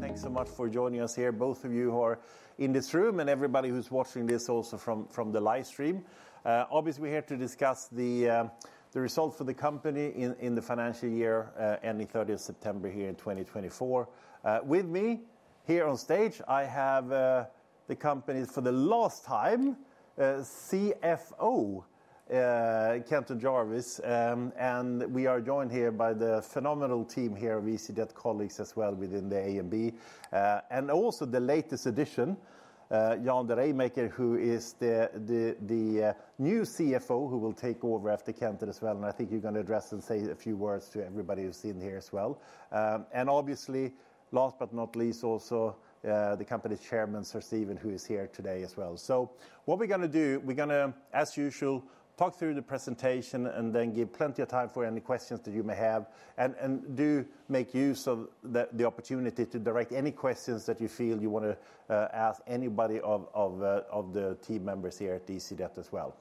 Thanks so much for joining us here, both of you who are in this room and everybody who's watching this also from the live stream. Obviously, we're here to discuss the results for the company in the financial year ending 30th September 2024. With me here on stage, I have the company for the last time, CFO Kenton Jarvis, and we are joined here by the phenomenal team here of easyJet colleagues as well within the AMB and also the latest addition, Jan De Raeymaeker, who is the new CFO who will take over after Kenton as well. And I think you're going to address and say a few words to everybody who's in here as well. And obviously, last but not least, also the company's chairman, Sir Stephen, who is here today as well. So what we're going to do, as usual, talk through the presentation and then give plenty of time for any questions that you may have and do make use of the opportunity to direct any questions that you feel you want to ask anybody of the team members here at easyJet as well.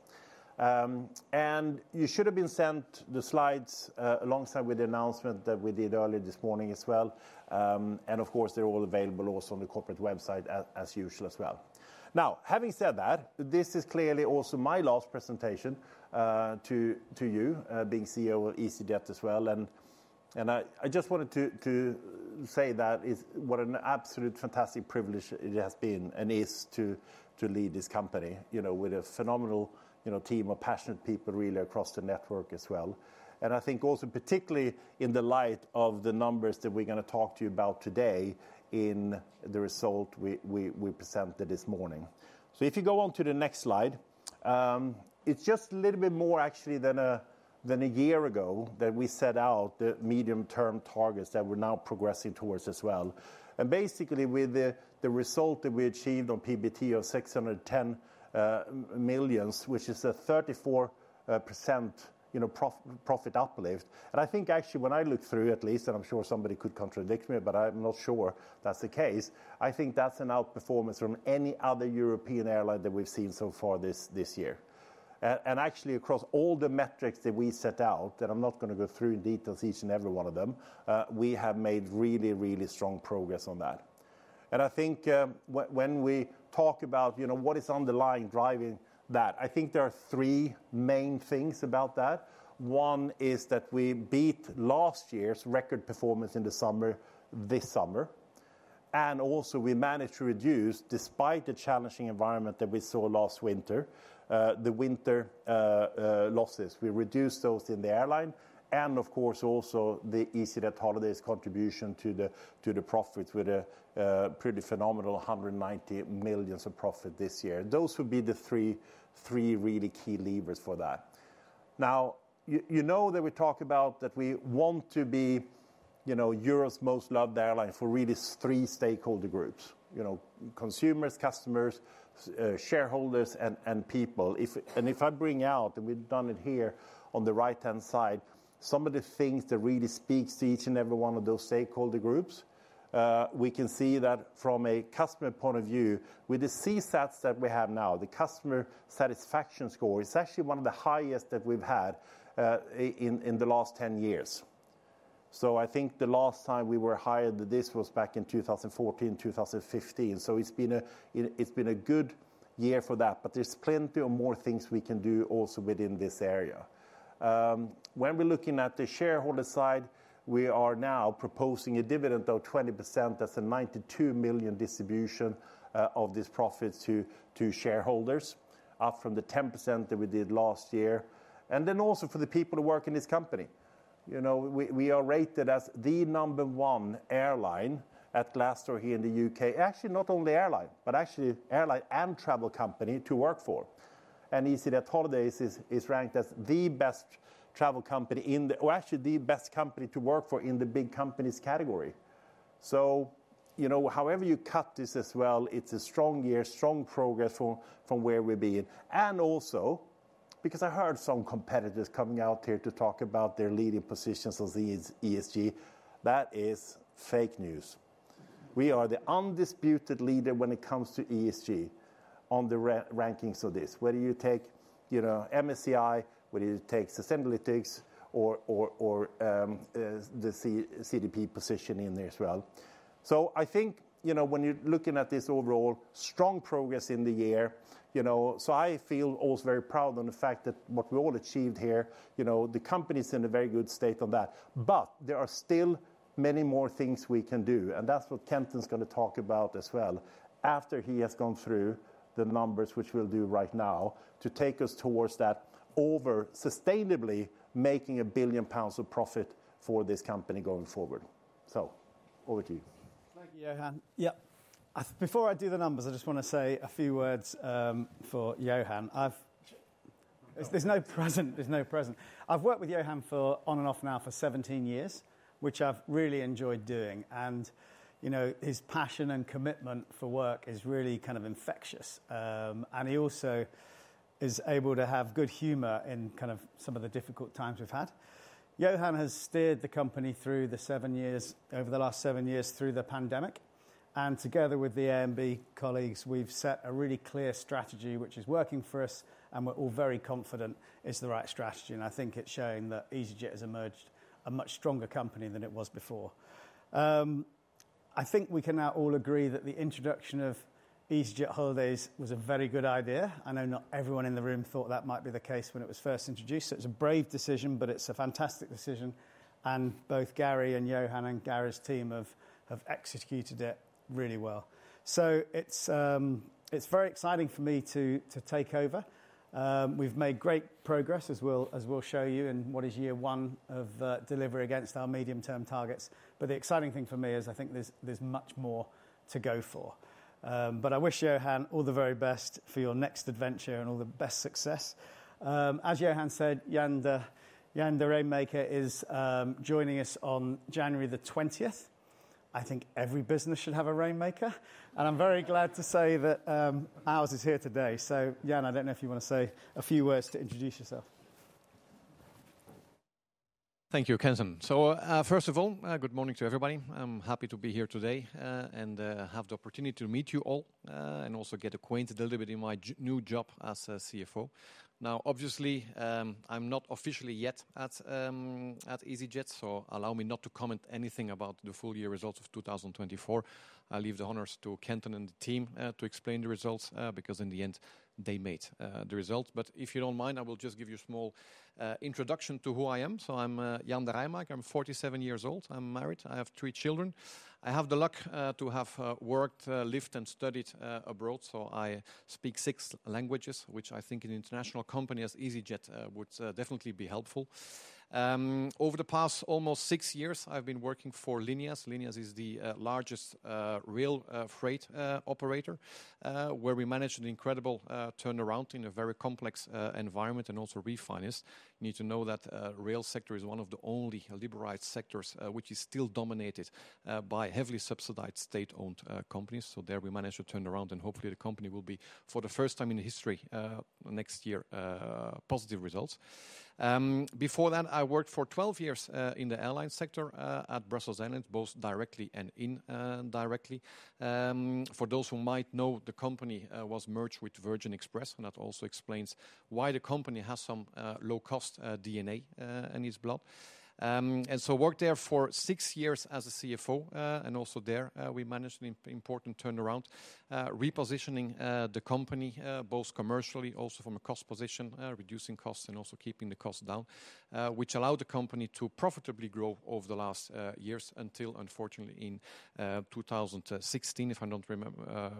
And you should have been sent the slides alongside with the announcement that we did earlier this morning as well. And of course, they're all available also on the corporate website as usual as well. Now, having said that, this is clearly also my last presentation to you being CEO of easyJet as well. And I just wanted to say that it's what an absolute fantastic privilege it has been and is to lead this company with a phenomenal team of passionate people really across the network as well. I think also particularly in the light of the numbers that we're going to talk to you about today in the result we presented this morning. So if you go on to the next slide, it's just a little bit more actually than a year ago that we set out the medium-term targets that we're now progressing towards as well. And basically with the result that we achieved on PBT of 610 million, which is a 34% profit uplift. And I think actually when I look through at least, and I'm sure somebody could contradict me, but I'm not sure that's the case, I think that's an outperformance from any other European airline that we've seen so far this year. Actually across all the metrics that we set out, and I'm not going to go through in detail each and every one of them, we have made really, really strong progress on that. I think when we talk about what is underlying driving that, I think there are three main things about that. One is that we beat last year's record performance in the summer this summer. Also we managed to reduce, despite the challenging environment that we saw last winter, the winter losses. We reduced those in the airline and of course also the easyJet holidays contribution to the profits with a pretty phenomenal 190 million of profit this year. Those would be the three really key levers for that. Now, you know that we talk about that we want to be Europe's most loved airline for really three stakeholder groups, consumers, customers, shareholders, and people. If I bring out, and we've done it here on the right-hand side, some of the things that really speak to each and every one of those stakeholder groups, we can see that from a customer point of view with the CSATs that we have now, the customer satisfaction score is actually one of the highest that we've had in the last 10 years. I think the last time we were hired, this was back in 2014, 2015. It's been a good year for that, but there's plenty of more things we can do also within this area. When we're looking at the shareholder side, we are now proposing a dividend of 20%. That's a 92 million distribution of this profit to shareholders up from the 10% that we did last year. And then also for the people who work in this company, we are rated as the number one airline at Glassdoor here in the U.K., actually not only airline, but actually airline and travel company to work for. And easyJet holidays is ranked as the best travel company in the, or actually the best company to work for in the big companies category. So however you cut this as well, it's a strong year, strong progress from where we've been. And also because I heard some competitors coming out here to talk about their leading positions as ESG, that is fake news. We are the undisputed leader when it comes to ESG on the rankings of this. Whether you take MSCI, whether you take Sustainalytics or the CDP position in there as well. I think when you're looking at this overall strong progress in the year, I feel also very proud on the fact that what we all achieved here, the company's in a very good state on that. But there are still many more things we can do. And that's what Kenton's going to talk about as well after he has gone through the numbers, which we'll do right now to take us towards that over sustainably making 1 billion pounds of profit for this company going forward. Over to you. Thank you, Johan. Yeah, before I do the numbers, I just want to say a few words for Johan. There's no present. I've worked with Johan on and off now for 17 years, which I've really enjoyed doing. His passion and commitment for work is really kind of infectious. He also is able to have good humor in kind of some of the difficult times we've had. Johan has steered the company through the seven years, over the last seven years through the pandemic. Together with the AMB colleagues, we've set a really clear strategy, which is working for us and we're all very confident is the right strategy. I think it's showing that easyJet has emerged a much stronger company than it was before. I think we can now all agree that the introduction of easyJet holidays was a very good idea. I know not everyone in the room thought that might be the case when it was first introduced. So it's a brave decision, but it's a fantastic decision. And both Garry and Johan and Garry's team have executed it really well. So it's very exciting for me to take over. We've made great progress as we'll show you in what is year one of delivery against our medium-term targets. But the exciting thing for me is I think there's much more to go for. But I wish Johan all the very best for your next adventure and all the best success. As Johan said, Jan De Raeymaeker is joining us on January the 20th. I think every business should have a rainmaker. And I'm very glad to say that ours is here today. So Jan, I don't know if you want to say a few words to introduce yourself. Thank you, Kenton. So first of all, good morning to everybody. I'm happy to be here today and have the opportunity to meet you all and also get acquainted a little bit in my new job as CFO. Now, obviously, I'm not officially yet at easyJet, so allow me not to comment anything about the full year results of 2024. I'll leave the honors to Kenton and the team to explain the results because in the end, they made the results. But if you don't mind, I will just give you a small introduction to who I am. So I'm Jan De Raeymaeker. I'm 47 years old. I'm married. I have three children. I have the luck to have worked, lived, and studied abroad. So I speak six languages, which I think in an international company as easyJet would definitely be helpful. Over the past almost six years, I've been working for Lineas. Lineas is the largest rail freight operator where we managed an incredible turnaround in a very complex environment and also refinance. You need to know that the rail sector is one of the only liberalized sectors which is still dominated by heavily subsidized state-owned companies. So there we managed to turn around and hopefully the company will be for the first time in history next year, positive results. Before that, I worked for 12 years in the airline sector at Brussels Airlines, both directly and indirectly. For those who might know, the company was merged with Virgin Express, and that also explains why the company has some low-cost DNA in its blood, and so worked there for six years as a CFO. And also, there we managed an important turnaround, repositioning the company both commercially, also from a cost position, reducing costs and also keeping the costs down, which allowed the company to profitably grow over the last years until unfortunately in 2016, if I don't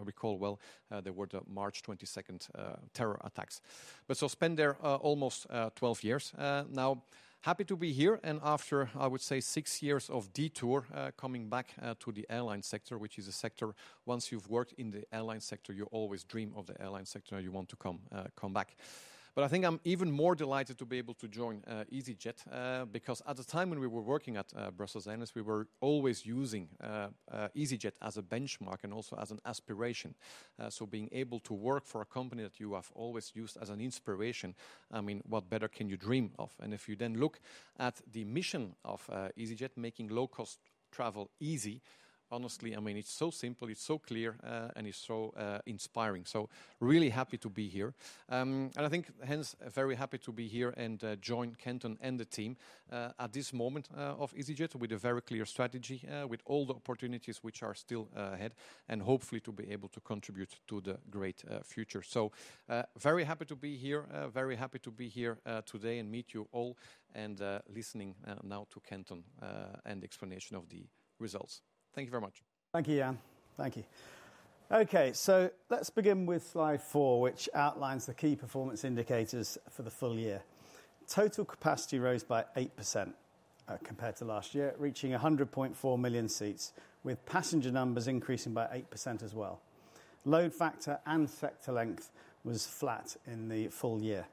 recall well, there were the March 22nd terror attacks. But so spent there almost 12 years now. Happy to be here. And after I would say six years of detour, coming back to the airline sector, which is a sector once you've worked in the airline sector, you always dream of the airline sector and you want to come back. But I think I'm even more delighted to be able to join easyJet because at the time when we were working at Brussels Airlines, we were always using easyJet as a benchmark and also as an aspiration. Being able to work for a company that you have always used as an inspiration, I mean, what better can you dream of? And if you then look at the mission of easyJet, making low-cost travel easy, honestly, I mean, it's so simple, it's so clear, and it's so inspiring. So really happy to be here. And I think hence very happy to be here and join Kenton and the team at this moment of easyJet with a very clear strategy, with all the opportunities which are still ahead and hopefully to be able to contribute to the great future. So very happy to be here, very happy to be here today and meet you all and listening now to Kenton and the explanation of the results. Thank you very much. Thank you, Jan. Thank you. Okay, so let's begin with slide four, which outlines the key performance indicators for the full year. Total capacity rose by 8% compared to last year, reaching 100.4 million seats with passenger numbers increasing by 8% as well. Load factor and sector length was flat in the full year.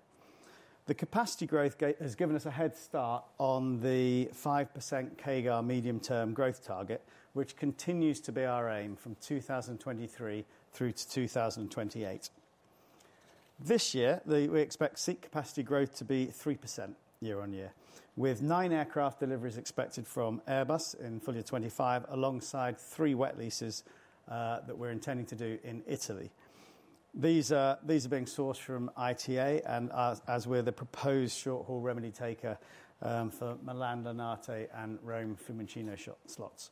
The capacity growth has given us a head start on the 5% CAGR medium-term growth target, which continues to be our aim from 2023 through to 2028. This year, we expect seat capacity growth to be 3% year-on-year, with nine aircraft deliveries expected from Airbus in full year 2025 alongside three wet leases that we're intending to do in Italy. These are being sourced from ITA and as we're the proposed short-haul remedy taker for Milan Linate and Rome Fiumicino slots.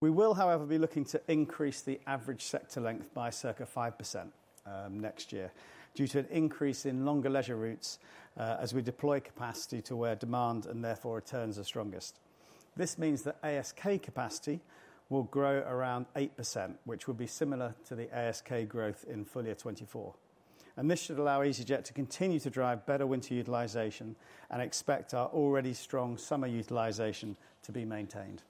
We will, however, be looking to increase the average sector length by circa 5% next year due to an increase in longer leisure routes as we deploy capacity to where demand and therefore returns are strongest. This means that ASK capacity will grow around 8%, which would be similar to the ASK growth in full year 2024. This should allow easyJet to continue to drive better winter utilization and expect our already strong summer utilization to be maintained.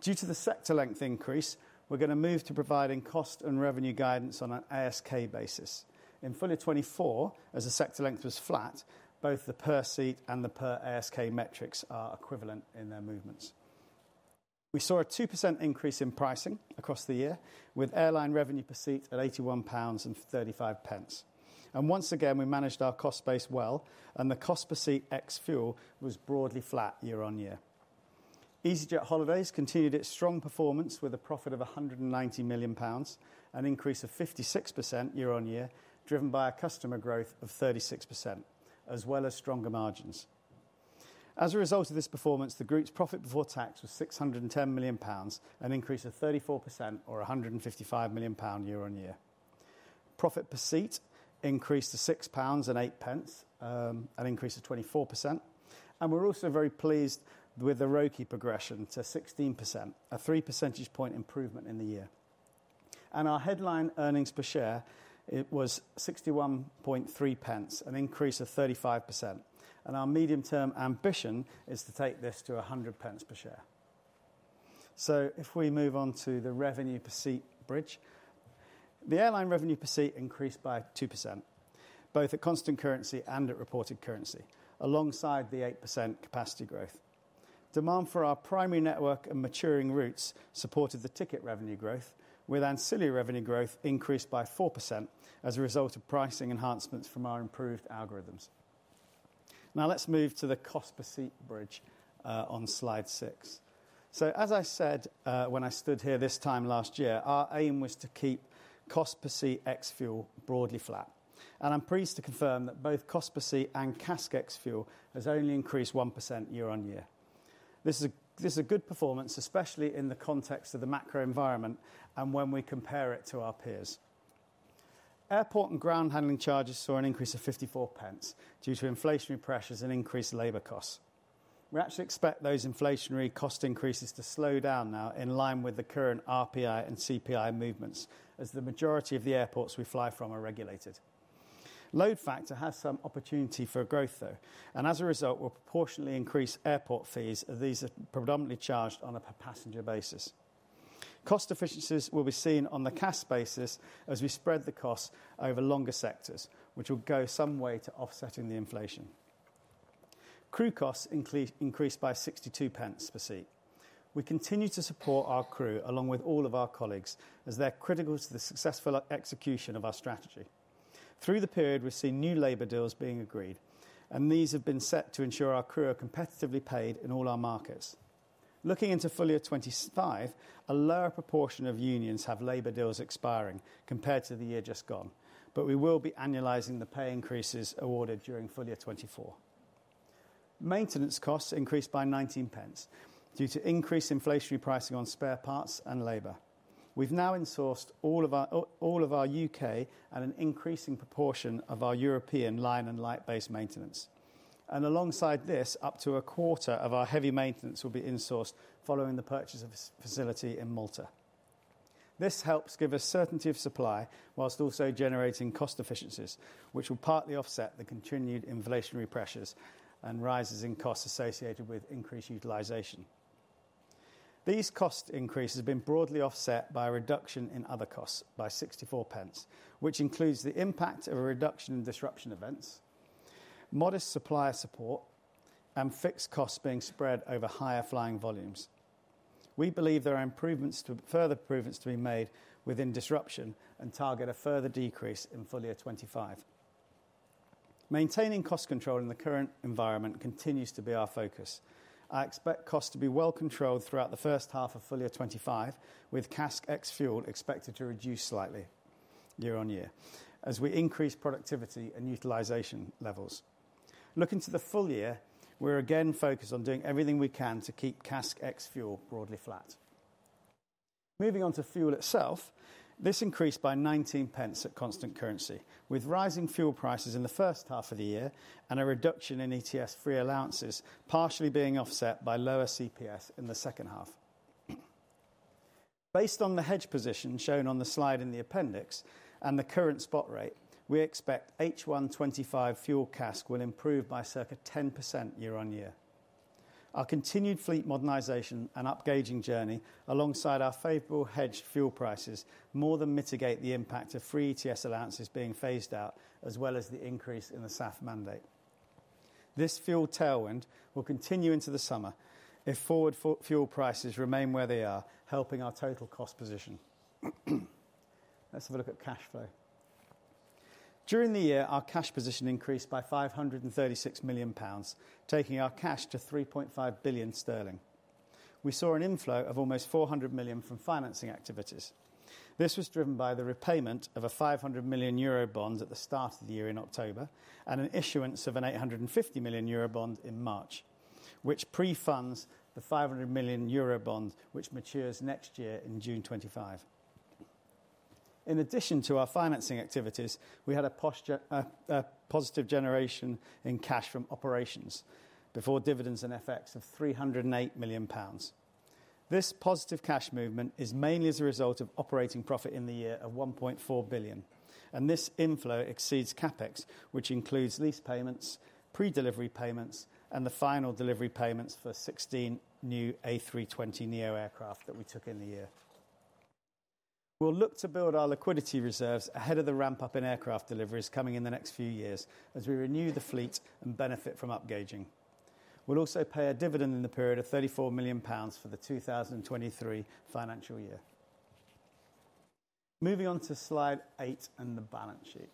Due to the sector length increase, we're going to move to providing cost and revenue guidance on an ASK basis. In full year 2024, as the sector length was flat, both the per seat and the per ASK metrics are equivalent in their movements. We saw a 2% increase in pricing across the year with airline revenue per seat at 81.35 pounds. Once again, we managed our cost base well and the cost per seat ex-fuel was broadly flat year-on-year. easyJet holidays continued its strong performance with a profit of 190 million pounds, an increase of 56% year-on-year driven by our customer growth of 36%, as well as stronger margins. As a result of this performance, the group's profit before tax was 610 million pounds, an increase of 34% or 155 million pound year-on-year. Profit per seat increased to 6.08 pounds, an increase of 24%. We're also very pleased with the ROCE progression to 16%, a three percentage point improvement in the year. Our headline earnings per share was 0.613, an increase of 35%. Our medium-term ambition is to take this to 1.00 per share. If we move on to the revenue per seat bridge, the airline revenue per seat increased by 2%, both at constant currency and at reported currency, alongside the 8% capacity growth. Demand for our primary network and maturing routes supported the ticket revenue growth, with ancillary revenue growth increased by 4% as a result of pricing enhancements from our improved algorithms. Now let's move to the cost per seat bridge on slide six. As I said when I stood here this time last year, our aim was to keep cost per seat ex-fuel broadly flat. And I'm pleased to confirm that both cost per seat and CASK ex-fuel has only increased 1% year-on-year. This is a good performance, especially in the context of the macro environment and when we compare it to our peers. Airport and ground handling charges saw an increase of 0.54 due to inflationary pressures and increased labor costs. We actually expect those inflationary cost increases to slow down now in line with the current RPI and CPI movements as the majority of the airports we fly from are regulated. Load factor has some opportunity for growth though. And as a result, we'll proportionately increase airport fees. These are predominantly charged on a per passenger basis. Cost efficiencies will be seen on the CASK basis as we spread the costs over longer sectors, which will go some way to offsetting the inflation. Crew costs increased by 0.62 per seat. We continue to support our crew along with all of our colleagues as they're critical to the successful execution of our strategy. Through the period, we've seen new labor deals being agreed and these have been set to ensure our crew are competitively paid in all our markets. Looking into full year 2025, a lower proportion of unions have labor deals expiring compared to the year just gone, but we will be annualizing the pay increases awarded during full year 2024. Maintenance costs increased by 0.19 due to increased inflationary pricing on spare parts and labor. We've now insourced all of our U.K. and an increasing proportion of our European line and light-based maintenance. And alongside this, up to a quarter of our heavy maintenance will be insourced following the purchase of a facility in Malta. This helps give us certainty of supply while also generating cost efficiencies, which will partly offset the continued inflationary pressures and rises in costs associated with increased utilization. These cost increases have been broadly offset by a reduction in other costs by 0.64, which includes the impact of a reduction in disruption events, modest supplier support, and fixed costs being spread over higher flying volumes. We believe there are further improvements to be made within disruption and target a further decrease in full year 2025. Maintaining cost control in the current environment continues to be our focus. I expect costs to be well controlled throughout the first half of full year 2025, with CASK ex-fuel expected to reduce slightly year-on-year as we increase productivity and utilization levels. Looking to the full year, we're again focused on doing everything we can to keep CASK ex-fuel broadly flat. Moving on to fuel itself, this increased by 0.19 at constant currency, with rising fuel prices in the first half of the year and a reduction in ETS free allowances partially being offset by lower CPS in the second half. Based on the hedge position shown on the slide in the appendix and the current spot rate, we expect H1 2025 fuel CASK will improve by circa 10% year-on-year. Our continued fleet modernization and upgauging journey alongside our favorable hedged fuel prices more than mitigate the impact of free ETS allowances being phased out as well as the increase in the SAF mandate. This fuel tailwind will continue into the summer if forward fuel prices remain where they are, helping our total cost position. Let's have a look at cash flow. During the year, our cash position increased by 536 million pounds, taking our cash to 3.5 billion sterling. We saw an inflow of almost 400 million from financing activities. This was driven by the repayment of a 500 million Eurobond at the start of the year in October and an issuance of an 850 million Eurobond in March, which prefunds the 500 million Eurobond which matures next year in June 2025. In addition to our financing activities, we had a positive generation in cash from operations before dividends and FX of 308 million pounds. This positive cash movement is mainly as a result of operating profit in the year of 1.4 billion. And this inflow exceeds CapEx, which includes lease payments, pre-delivery payments, and the final delivery payments for 16 new A320neo aircraft that we took in the year. We'll look to build our liquidity reserves ahead of the ramp-up in aircraft deliveries coming in the next few years as we renew the fleet and benefit from upgauging. We'll also pay a dividend in the period of 34 million pounds for the 2023 financial year. Moving on to slide eight and the balance sheet.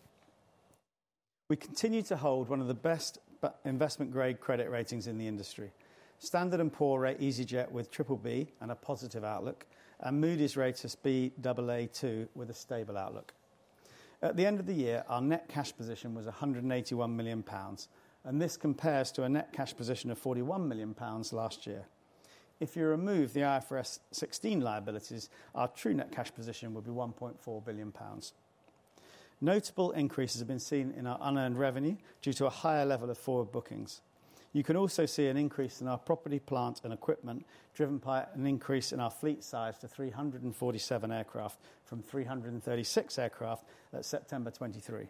We continue to hold one of the best investment-grade credit ratings in the industry. Standard & Poor's rates easyJet with BBB and a positive outlook, and Moody's rates easyJet Baa2 with a stable outlook. At the end of the year, our net cash position was 181 million pounds, and this compares to a net cash position of 41 million pounds last year. If you remove the IFRS 16 liabilities, our true net cash position will be 1.4 billion pounds. Notable increases have been seen in our unearned revenue due to a higher level of forward bookings. You can also see an increase in our property, plant and equipment driven by an increase in our fleet size to 347 aircraft from 336 aircraft at September 2023.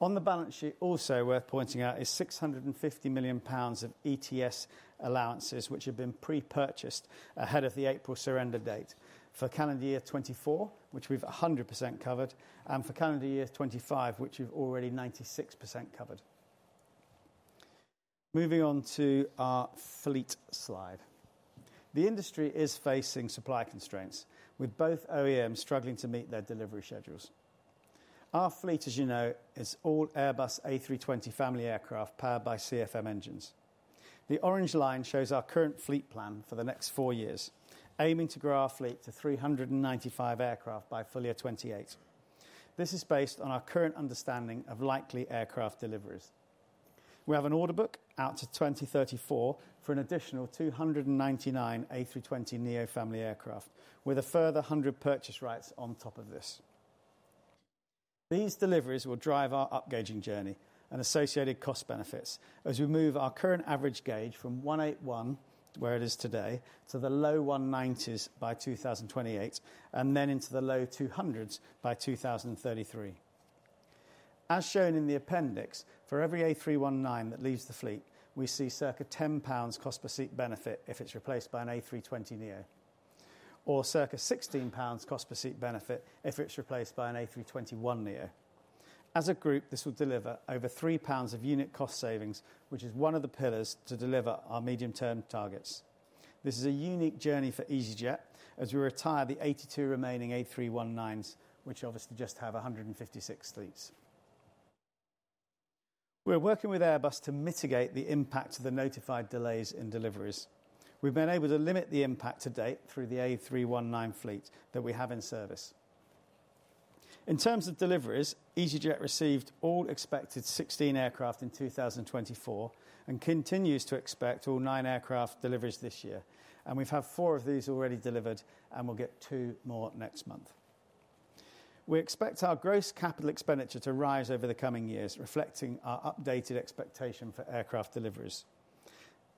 On the balance sheet, also worth pointing out is 650 million pounds of ETS allowances, which have been pre-purchased ahead of the April surrender date for calendar year 2024, which we've 100% covered, and for calendar year 2025, which we've already 96% covered. Moving on to our fleet slide. The industry is facing supply constraints with both OEMs struggling to meet their delivery schedules. Our fleet, as you know, is all Airbus A320 family aircraft powered by CFM engines. The orange line shows our current fleet plan for the next four years, aiming to grow our fleet to 395 aircraft by full year 2028. This is based on our current understanding of likely aircraft deliveries. We have an order book out to 2034 for an additional 299 A320neo family aircraft with a further 100 purchase rights on top of this. These deliveries will drive our upgauging journey and associated cost benefits as we move our current average gauge from 181, where it is today, to the low 190s by 2028 and then into the low 200s by 2033. As shown in the appendix, for every A319 that leaves the fleet, we see circa 10 pounds cost per seat benefit if it's replaced by an A320neo or circa 16 pounds cost per seat benefit if it's replaced by an A321neo. As a group, this will deliver over 3 pounds of unit cost savings, which is one of the pillars to deliver our medium-term targets. This is a unique journey for easyJet as we retire the 82 remaining A319s, which obviously just have 156 seats. We're working with Airbus to mitigate the impact of the notified delays in deliveries. We've been able to limit the impact to date through the A319 fleet that we have in service. In terms of deliveries, easyJet received all expected 16 aircraft in 2024 and continues to expect all nine aircraft deliveries this year, and we've had four of these already delivered and we'll get two more next month. We expect our gross capital expenditure to rise over the coming years, reflecting our updated expectation for aircraft deliveries.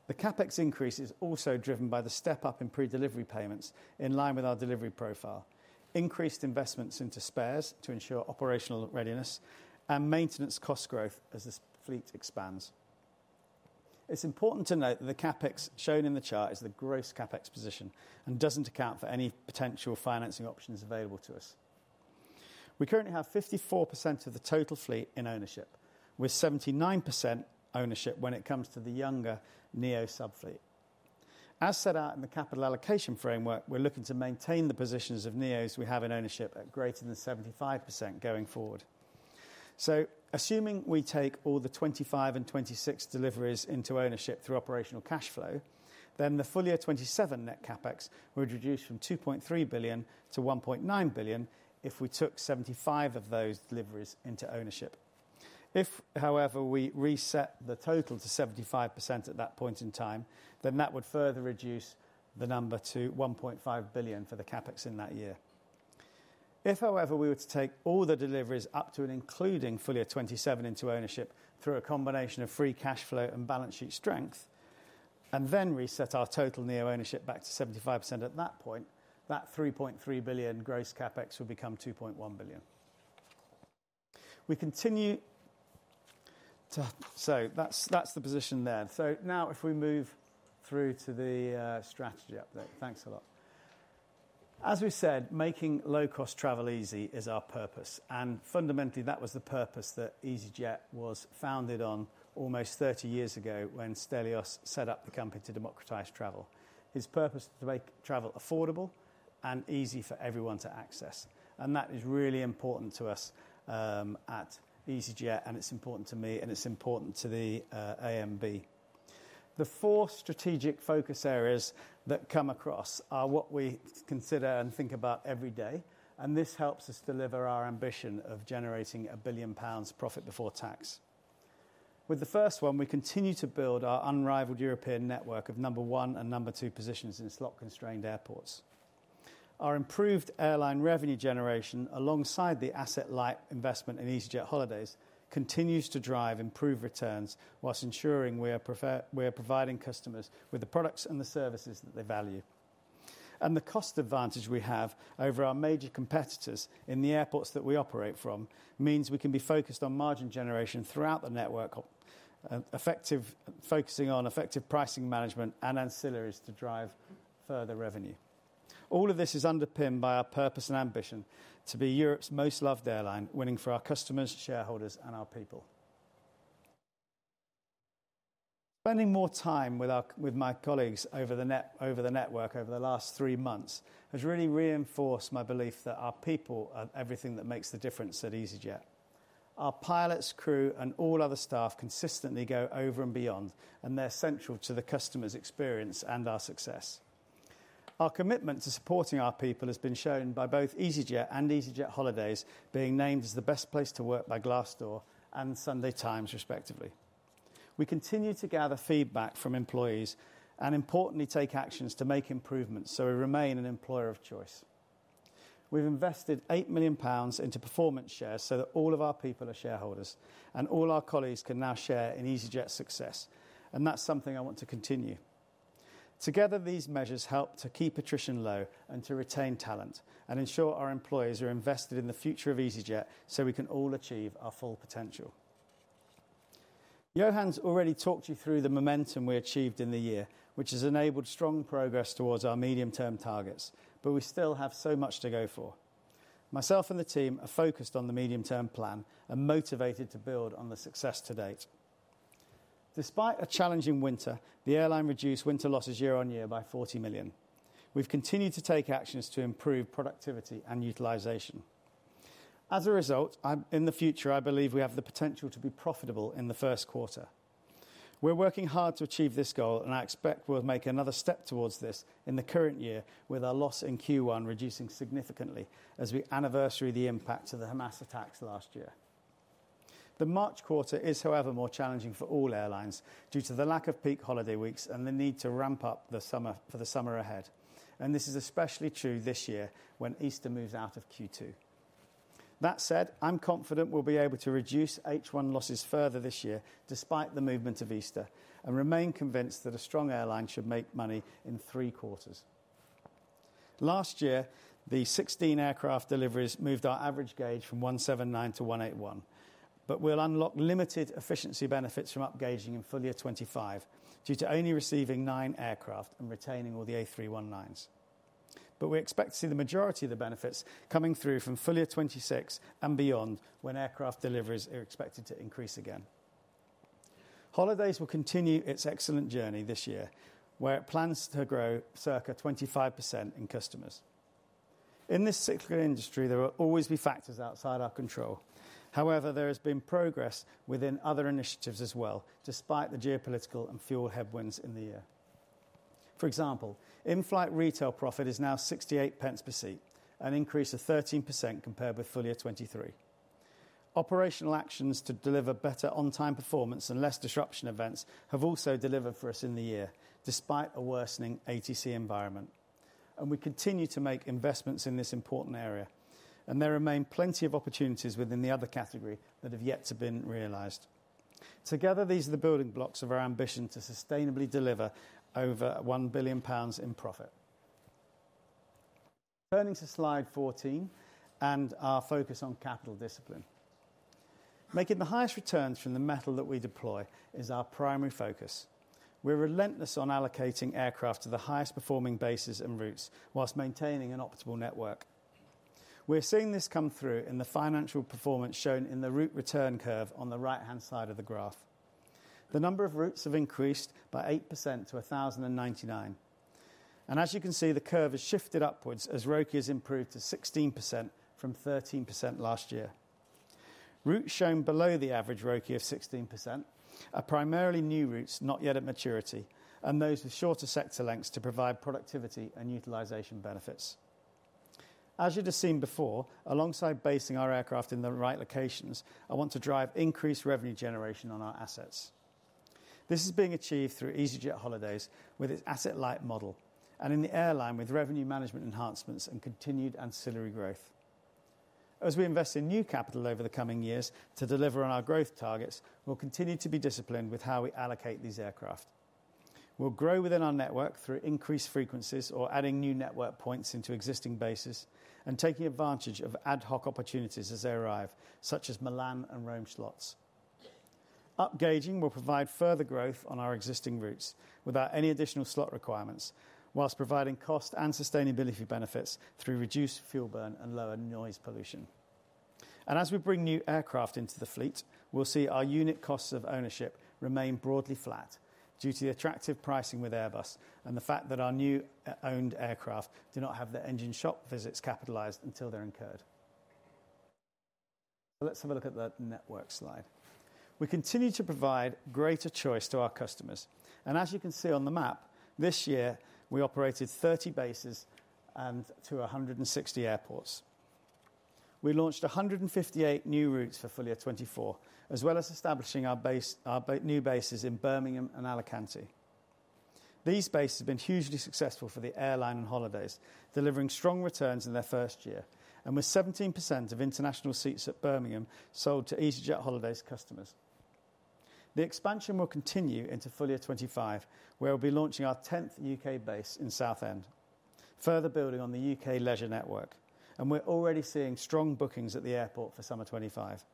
The CapEx increase is also driven by the step-up in pre-delivery payments in line with our delivery profile, increased investments into spares to ensure operational readiness, and maintenance cost growth as the fleet expands. It's important to note that the CapEx shown in the chart is the gross CapEx position and doesn't account for any potential financing options available to us. We currently have 54% of the total fleet in ownership, with 79% ownership when it comes to the younger NEO subfleet. As set out in the capital allocation framework, we're looking to maintain the positions of NEOs we have in ownership at greater than 75% going forward. So assuming we take all the 2025 and 2026 deliveries into ownership through operational cash flow, then the full year 2027 net CapEx would reduce from 2.3 billion to 1.9 billion if we took 75 of those deliveries into ownership. If, however, we reset the total to 75% at that point in time, then that would further reduce the number to 1.5 billion for the CapEx in that year. If, however, we were to take all the deliveries up to and including full year 27 into ownership through a combination of free cash flow and balance sheet strength, and then reset our total NEO ownership back to 75% at that point, that 3.3 billion gross CapEx would become 2.1 billion. We continue to. So that's the position there. So now if we move through to the strategy update, thanks a lot. As we said, making low-cost travel easy is our purpose. And fundamentally, that was the purpose that easyJet was founded on almost 30 years ago when Stelios set up the company to democratize travel. His purpose is to make travel affordable and easy for everyone to access. And that is really important to us at easyJet, and it's important to me, and it's important to the AMB. The four strategic focus areas that come across are what we consider and think about every day. And this helps us deliver our ambition of generating 1 billion pounds profit before tax. With the first one, we continue to build our unrivaled European network of number one and number two positions in slot-constrained airports. Our improved airline revenue generation alongside the asset-light investment in easyJet holidays continues to drive improved returns whilst ensuring we are providing customers with the products and the services that they value. And the cost advantage we have over our major competitors in the airports that we operate from means we can be focused on margin generation throughout the network, focusing on effective pricing management and ancillaries to drive further revenue. All of this is underpinned by our purpose and ambition to be Europe's most loved airline, winning for our customers, shareholders, and our people. Spending more time with my colleagues over the network over the last three months has really reinforced my belief that our people are everything that makes the difference at easyJet. Our pilots, crew, and all other staff consistently go over and beyond, and they're central to the customer's experience and our success. Our commitment to supporting our people has been shown by both easyJet and easyJet holidays being named as the best place to work by Glassdoor and Sunday Times, respectively. We continue to gather feedback from employees and, importantly, take actions to make improvements so we remain an employer of choice. We've invested 8 million pounds into performance shares so that all of our people are shareholders and all our colleagues can now share in easyJet's success, and that's something I want to continue. Together, these measures help to keep attrition low and to retain talent and ensure our employees are invested in the future of easyJet so we can all achieve our full potential. Johan's already talked you through the momentum we achieved in the year, which has enabled strong progress towards our medium-term targets, but we still have so much to go for. Myself and the team are focused on the medium-term plan and motivated to build on the success to date. Despite a challenging winter, the airline reduced winter losses year-on-year by 40 million. We've continued to take actions to improve productivity and utilization. As a result, in the future, I believe we have the potential to be profitable in the first quarter. We're working hard to achieve this goal, and I expect we'll make another step towards this in the current year, with our loss in Q1 reducing significantly as we anniversary the impact of the Hamas attacks last year. The March quarter is, however, more challenging for all airlines due to the lack of peak holiday weeks and the need to ramp up for the summer ahead, and this is especially true this year when Easter moves out of Q2. That said, I'm confident we'll be able to reduce H1 losses further this year despite the movement of Easter and remain convinced that a strong airline should make money in three quarters. Last year, the 16 aircraft deliveries moved our average gauge from 179 to 181, but we'll unlock limited efficiency benefits from upgauging in full year 2025 due to only receiving nine aircraft and retaining all the A319s. But we expect to see the majority of the benefits coming through from full year 2026 and beyond when aircraft deliveries are expected to increase again. Holidays will continue its excellent journey this year, where it plans to grow circa 25% in customers. In this cyclical industry, there will always be factors outside our control. However, there has been progress within other initiatives as well, despite the geopolitical and fuel headwinds in the year. For example, in-flight retail profit is now 0.68 per seat, an increase of 13% compared with full year 2023. Operational actions to deliver better on-time performance and less disruption events have also delivered for us in the year, despite a worsening ATC environment. And we continue to make investments in this important area. And there remain plenty of opportunities within the other category that have yet to be realized. Together, these are the building blocks of our ambition to sustainably deliver over 1 billion pounds in profit. Turning to slide 14 and our focus on capital discipline. Making the highest returns from the metal that we deploy is our primary focus. We're relentless on allocating aircraft to the highest performing bases and routes whilst maintaining an optimal network. We're seeing this come through in the financial performance shown in the route return curve on the right-hand side of the graph. The number of routes have increased by 8% to 1,099, and as you can see, the curve has shifted upwards as ROCE has improved to 16% from 13% last year. Routes shown below the average ROCE of 16% are primarily new routes not yet at maturity, and those with shorter sector lengths to provide productivity and utilization benefits. As you've seen before, alongside basing our aircraft in the right locations, I want to drive increased revenue generation on our assets. This is being achieved through easyJet holidays with its asset-light model and in the airline with revenue management enhancements and continued ancillary growth. As we invest in new capital over the coming years to deliver on our growth targets, we'll continue to be disciplined with how we allocate these aircraft. We'll grow within our network through increased frequencies or adding new network points into existing bases and taking advantage of ad hoc opportunities as they arrive, such as Milan and Rome slots. Upgauging will provide further growth on our existing routes without any additional slot requirements whilst providing cost and sustainability benefits through reduced fuel burn and lower noise pollution. As we bring new aircraft into the fleet, we'll see our unit costs of ownership remain broadly flat due to the attractive pricing with Airbus and the fact that our new owned aircraft do not have their engine shop visits capitalized until they're incurred. Let's have a look at the network slide. We continue to provide greater choice to our customers. As you can see on the map, this year, we operated 30 bases and to 160 airports. We launched 158 new routes for full year 2024, as well as establishing our new bases in Birmingham and Alicante. These bases have been hugely successful for the airline and holidays, delivering strong returns in their first year and with 17% of international seats at Birmingham sold to easyJet holidays customers. The expansion will continue into full year 2025, where we'll be launching our 10th U.K. base in Southend, further building on the U.K. leisure network, and we're already seeing strong bookings at the airport for summer 2025,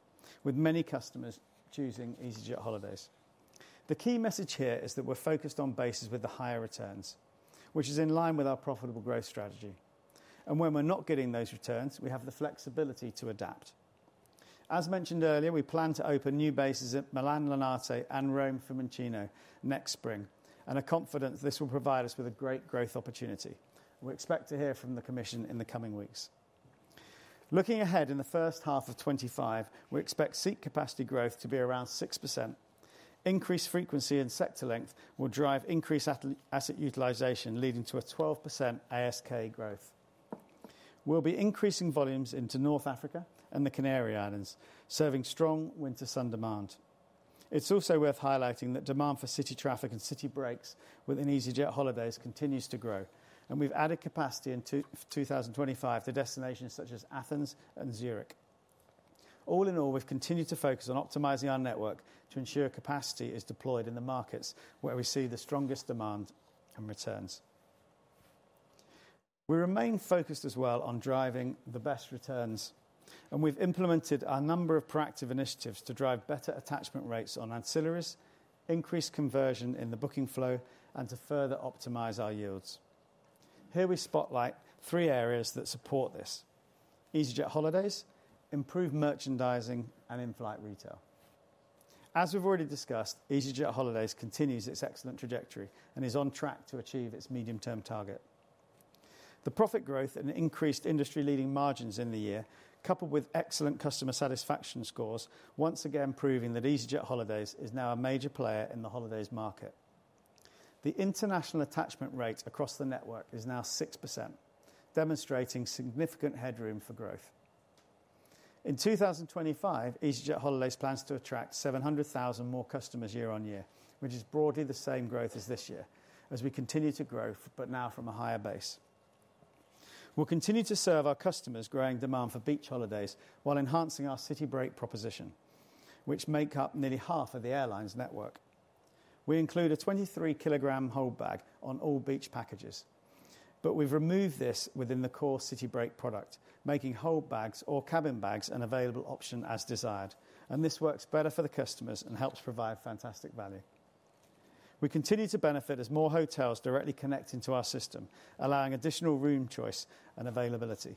with many customers choosing easyJet holidays. The key message here is that we're focused on bases with the higher returns, which is in line with our profitable growth strategy, and when we're not getting those returns, we have the flexibility to adapt. As mentioned earlier, we plan to open new bases at Milan Linate and Rome Fiumicino next spring, and are confident this will provide us with a great growth opportunity. We expect to hear from the commission in the coming weeks. Looking ahead in the first half of 2025, we expect seat capacity growth to be around 6%. Increased frequency and sector length will drive increased asset utilization, leading to a 12% ASK growth. We'll be increasing volumes into North Africa and the Canary Islands, serving strong winter sun demand. It's also worth highlighting that demand for city traffic and city breaks within easyJet holidays continues to grow. And we've added capacity in 2025 to destinations such as Athens and Zurich. All in all, we've continued to focus on optimizing our network to ensure capacity is deployed in the markets where we see the strongest demand and returns. We remain focused as well on driving the best returns. And we've implemented a number of proactive initiatives to drive better attachment rates on ancillaries, increase conversion in the booking flow, and to further optimize our yields. Here we spotlight three areas that support this: easyJet holidays, improved merchandising, and in-flight retail. As we've already discussed, easyJet holidays continues its excellent trajectory and is on track to achieve its medium-term target. The profit growth and increased industry-leading margins in the year, coupled with excellent customer satisfaction scores, once again proving that easyJet holidays is now a major player in the holidays market. The international attachment rate across the network is now 6%, demonstrating significant headroom for growth. In 2025, easyJet holidays plans to attract 700,000 more customers year-on-year, which is broadly the same growth as this year, as we continue to grow, but now from a higher base. We'll continue to serve our customers' growing demand for beach holidays while enhancing our city break proposition, which makes up nearly half of the airline's network. We include a 23-kilogram hold bag on all beach packages, but we've removed this within the core city break product, making hold bags or cabin bags an available option as desired. And this works better for the customers and helps provide fantastic value. We continue to benefit as more hotels directly connect into our system, allowing additional room choice and availability.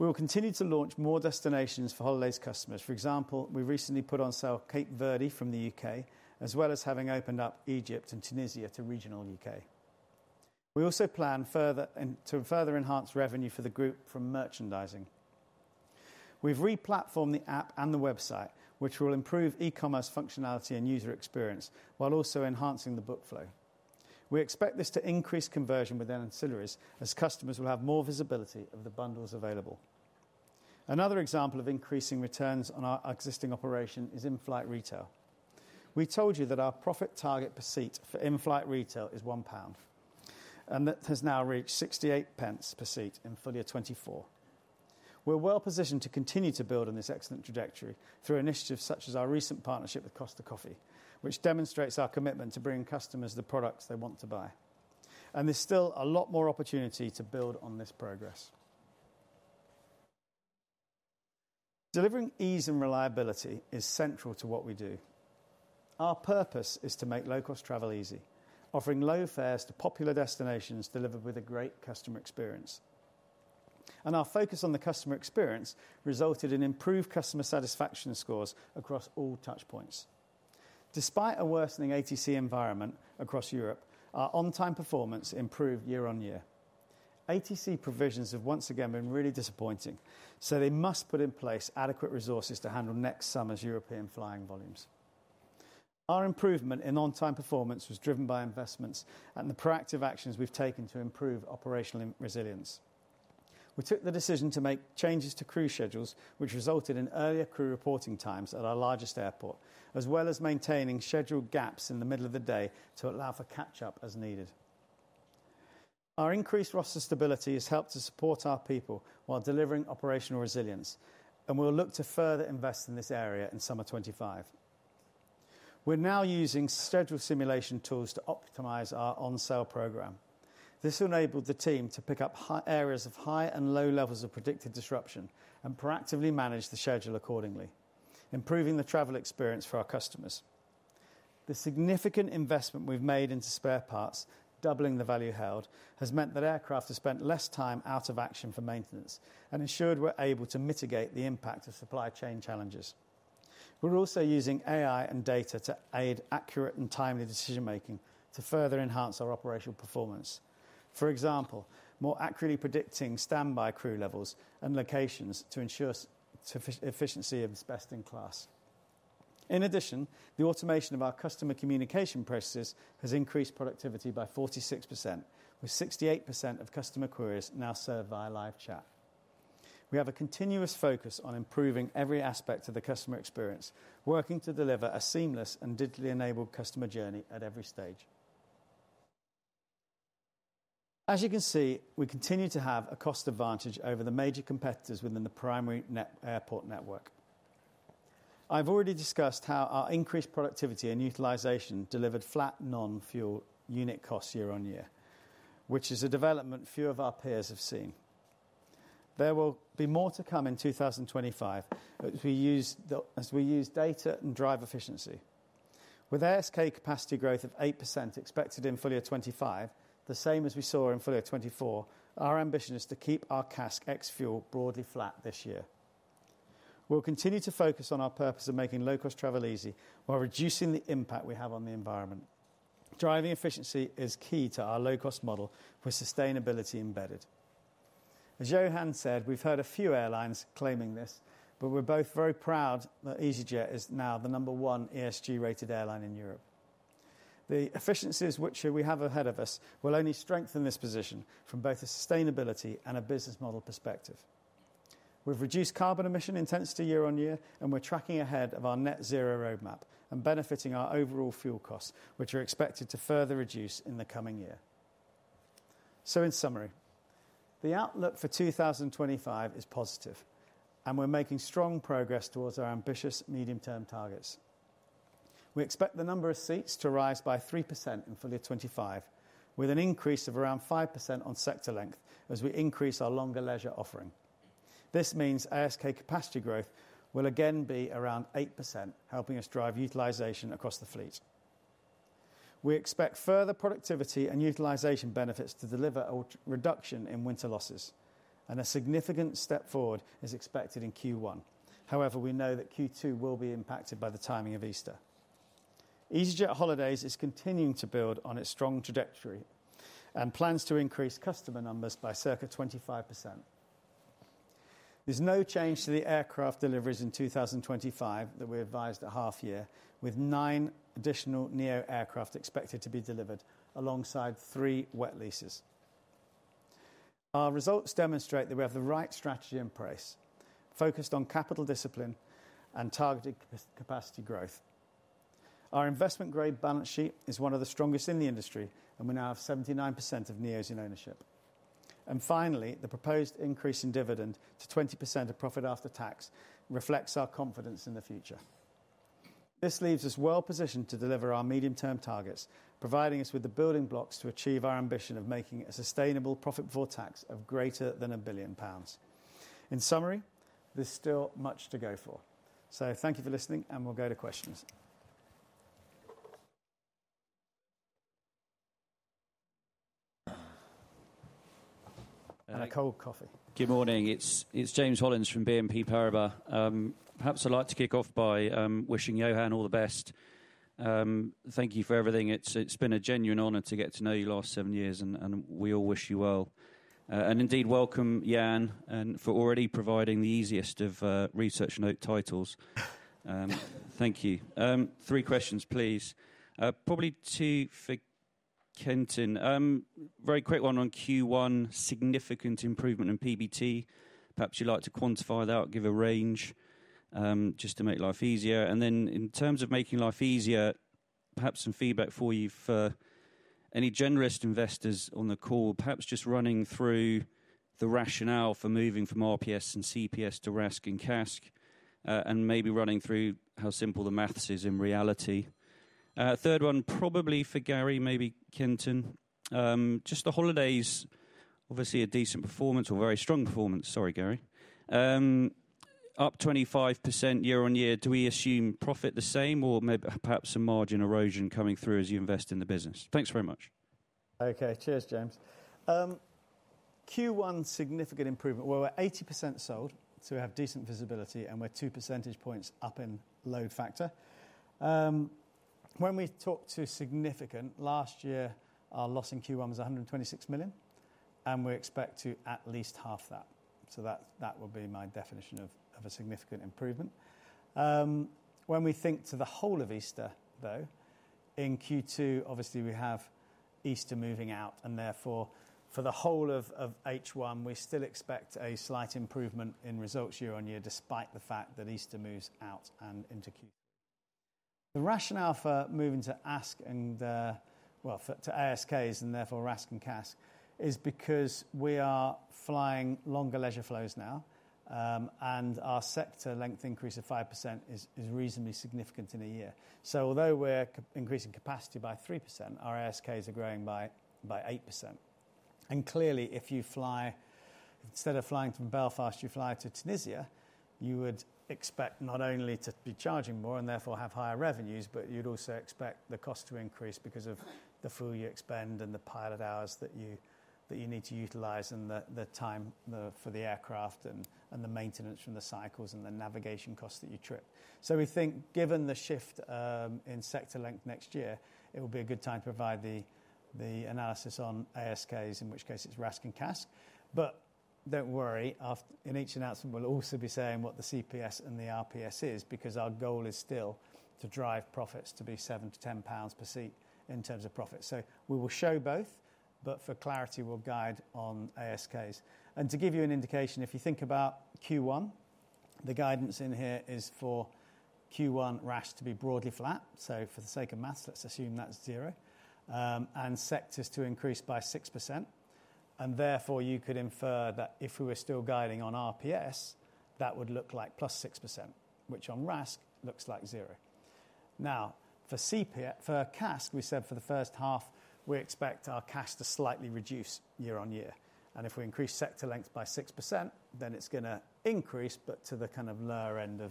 We will continue to launch more destinations for holidays customers. For example, we recently put on sale Cape Verde from the U.K., as well as having opened up Egypt and Tunisia to regional U.K.. We also plan to further enhance revenue for the group from merchandising. We've replatformed the app and the website, which will improve e-commerce functionality and user experience while also enhancing the book flow. We expect this to increase conversion within ancillaries as customers will have more visibility of the bundles available. Another example of increasing returns on our existing operation is in-flight retail. We told you that our profit target per seat for in-flight retail is 1 pound and that has now reached 0.68 per seat in full year 2024. We're well positioned to continue to build on this excellent trajectory through initiatives such as our recent partnership with Costa Coffee, which demonstrates our commitment to bringing customers the products they want to buy. And there's still a lot more opportunity to build on this progress. Delivering ease and reliability is central to what we do. Our purpose is to make low-cost travel easy, offering low fares to popular destinations delivered with a great customer experience. And our focus on the customer experience resulted in improved customer satisfaction scores across all touchpoints. Despite a worsening ATC environment across Europe, our on-time performance improved year-on-year. ATC provisions have once again been really disappointing, so they must put in place adequate resources to handle next summer's European flying volumes. Our improvement in on-time performance was driven by investments and the proactive actions we've taken to improve operational resilience. We took the decision to make changes to crew schedules, which resulted in earlier crew reporting times at our largest airport, as well as maintaining scheduled gaps in the middle of the day to allow for catch-up as needed. Our increased roster stability has helped to support our people while delivering operational resilience, and we'll look to further invest in this area in summer 2025. We're now using schedule simulation tools to optimize our on-sale program. This enabled the team to pick up areas of high and low levels of predicted disruption and proactively manage the schedule accordingly, improving the travel experience for our customers. The significant investment we've made into spare parts, doubling the value held, has meant that aircraft have spent less time out of action for maintenance and ensured we're able to mitigate the impact of supply chain challenges. We're also using AI and data to aid accurate and timely decision-making to further enhance our operational performance. For example, more accurately predicting standby crew levels and locations to ensure efficiency of best-in-class. In addition, the automation of our customer communication processes has increased productivity by 46%, with 68% of customer queries now served via live chat. We have a continuous focus on improving every aspect of the customer experience, working to deliver a seamless and digitally enabled customer journey at every stage. As you can see, we continue to have a cost advantage over the major competitors within the primary airport network. I've already discussed how our increased productivity and utilization delivered flat non-fuel unit costs year-on-year, which is a development few of our peers have seen. There will be more to come in 2025 as we use data and drive efficiency. With ASK capacity growth of 8% expected in full year 2025, the same as we saw in full year 2024, our ambition is to keep our CASK ex-fuel broadly flat this year. We'll continue to focus on our purpose of making low-cost travel easy while reducing the impact we have on the environment. Driving efficiency is key to our low-cost model with sustainability embedded. As Johan said, we've heard a few airlines claiming this, but we're both very proud that easyJet is now the number one ESG-rated airline in Europe. The efficiencies which we have ahead of us will only strengthen this position from both a sustainability and a business model perspective. We've reduced carbon emission intensity year-on-year, and we're tracking ahead of our net zero roadmap and benefiting our overall fuel costs, which are expected to further reduce in the coming year. So, in summary, the outlook for 2025 is positive, and we're making strong progress towards our ambitious medium-term targets. We expect the number of seats to rise by 3% in full year 2025, with an increase of around 5% on sector length as we increase our longer leisure offering. This means ASK capacity growth will again be around 8%, helping us drive utilization across the fleet. We expect further productivity and utilization benefits to deliver a reduction in winter losses, and a significant step forward is expected in Q1. However, we know that Q2 will be impacted by the timing of Easter. easyJet holidays is continuing to build on its strong trajectory and plans to increase customer numbers by circa 25%. There's no change to the aircraft deliveries in 2025 that we advised a half year, with nine additional NEO aircraft expected to be delivered alongside three wet leases. Our results demonstrate that we have the right strategy in place, focused on capital discipline and targeted capacity growth. Our investment-grade balance sheet is one of the strongest in the industry, and we now have 79% of NEOs in ownership. And finally, the proposed increase in dividend to 20% of profit after tax reflects our confidence in the future. This leaves us well positioned to deliver our medium-term targets, providing us with the building blocks to achieve our ambition of making a sustainable profit before tax of greater than 1 billion pounds. In summary, there's still much to go for. Thank you for listening, and we'll go to questions. A cold coffee. Good morning. It's James Hollins from BNP Paribas. Perhaps I'd like to kick off by wishing Johan all the best. Thank you for everything. It's been a genuine honor to get to know you last seven years, and we all wish you well. Indeed, welcome, Jan, for already providing the easiest of research note titles. Thank you. Three questions, please. Probably two for Kenton. Very quick one on Q1, significant improvement in PBT. Perhaps you'd like to quantify that, give a range, just to make life easier. In terms of making life easier, perhaps some feedback for you for any generous investors on the call, perhaps just running through the rationale for moving from RPS and CPS to RASK and CASK, and maybe running through how simple the math is in reality. Third one, probably for Garry, maybe Kenton. Just the holidays, obviously a decent performance or very strong performance, sorry, Garry. Up 25% year-on-year. Do we assume profit the same or maybe perhaps some margin erosion coming through as you invest in the business? Thanks very much. Okay, cheers, James. Q1, significant improvement. We're 80% sold, so we have decent visibility, and we're two percentage points up in load factor. When we talk to significant, last year our loss in Q1 was 126 million, and we expect to at least half that. So that would be my definition of a significant improvement. When we think to the whole of Easter, though, in Q2, obviously we have Easter moving out, and therefore for the whole of H1, we still expect a slight improvement in results year-on-year, despite the fact that Easter moves out and into Q2. The rationale for moving to ASK and, well, to ASKs and therefore RASK and CASK is because we are flying longer leisure flows now, and our sector length increase of 5% is reasonably significant in a year. So although we're increasing capacity by 3%, our ASKs are growing by 8%. Clearly, if you fly, instead of flying from Belfast, you fly to Tunisia, you would expect not only to be charging more and therefore have higher revenues, but you'd also expect the cost to increase because of the fuel you expend and the pilot hours that you need to utilize and the time for the aircraft and the maintenance from the cycles and the navigation costs that you trip. We think, given the shift in sector length next year, it will be a good time to provide the analysis on ASKs, in which case it's RASK and CASK. Don't worry, in each announcement, we'll also be saying what the CPS and the RPS is because our goal is still to drive profits to be 7-10 pounds per seat in terms of profit. We will show both, but for clarity, we'll guide on ASKs. To give you an indication, if you think about Q1, the guidance in here is for Q1 RASK to be broadly flat. For the sake of math, let's assume that's zero. Sectors to increase by 6%. Therefore, you could infer that if we were still guiding on RPS, that would look like plus 6%, which on RASK looks like zero. Now, for CPS, for CASK, we said for the first half, we expect our CASK to slightly reduce year-on-year. If we increase sector length by 6%, then it's going to increase, but to the kind of lower end of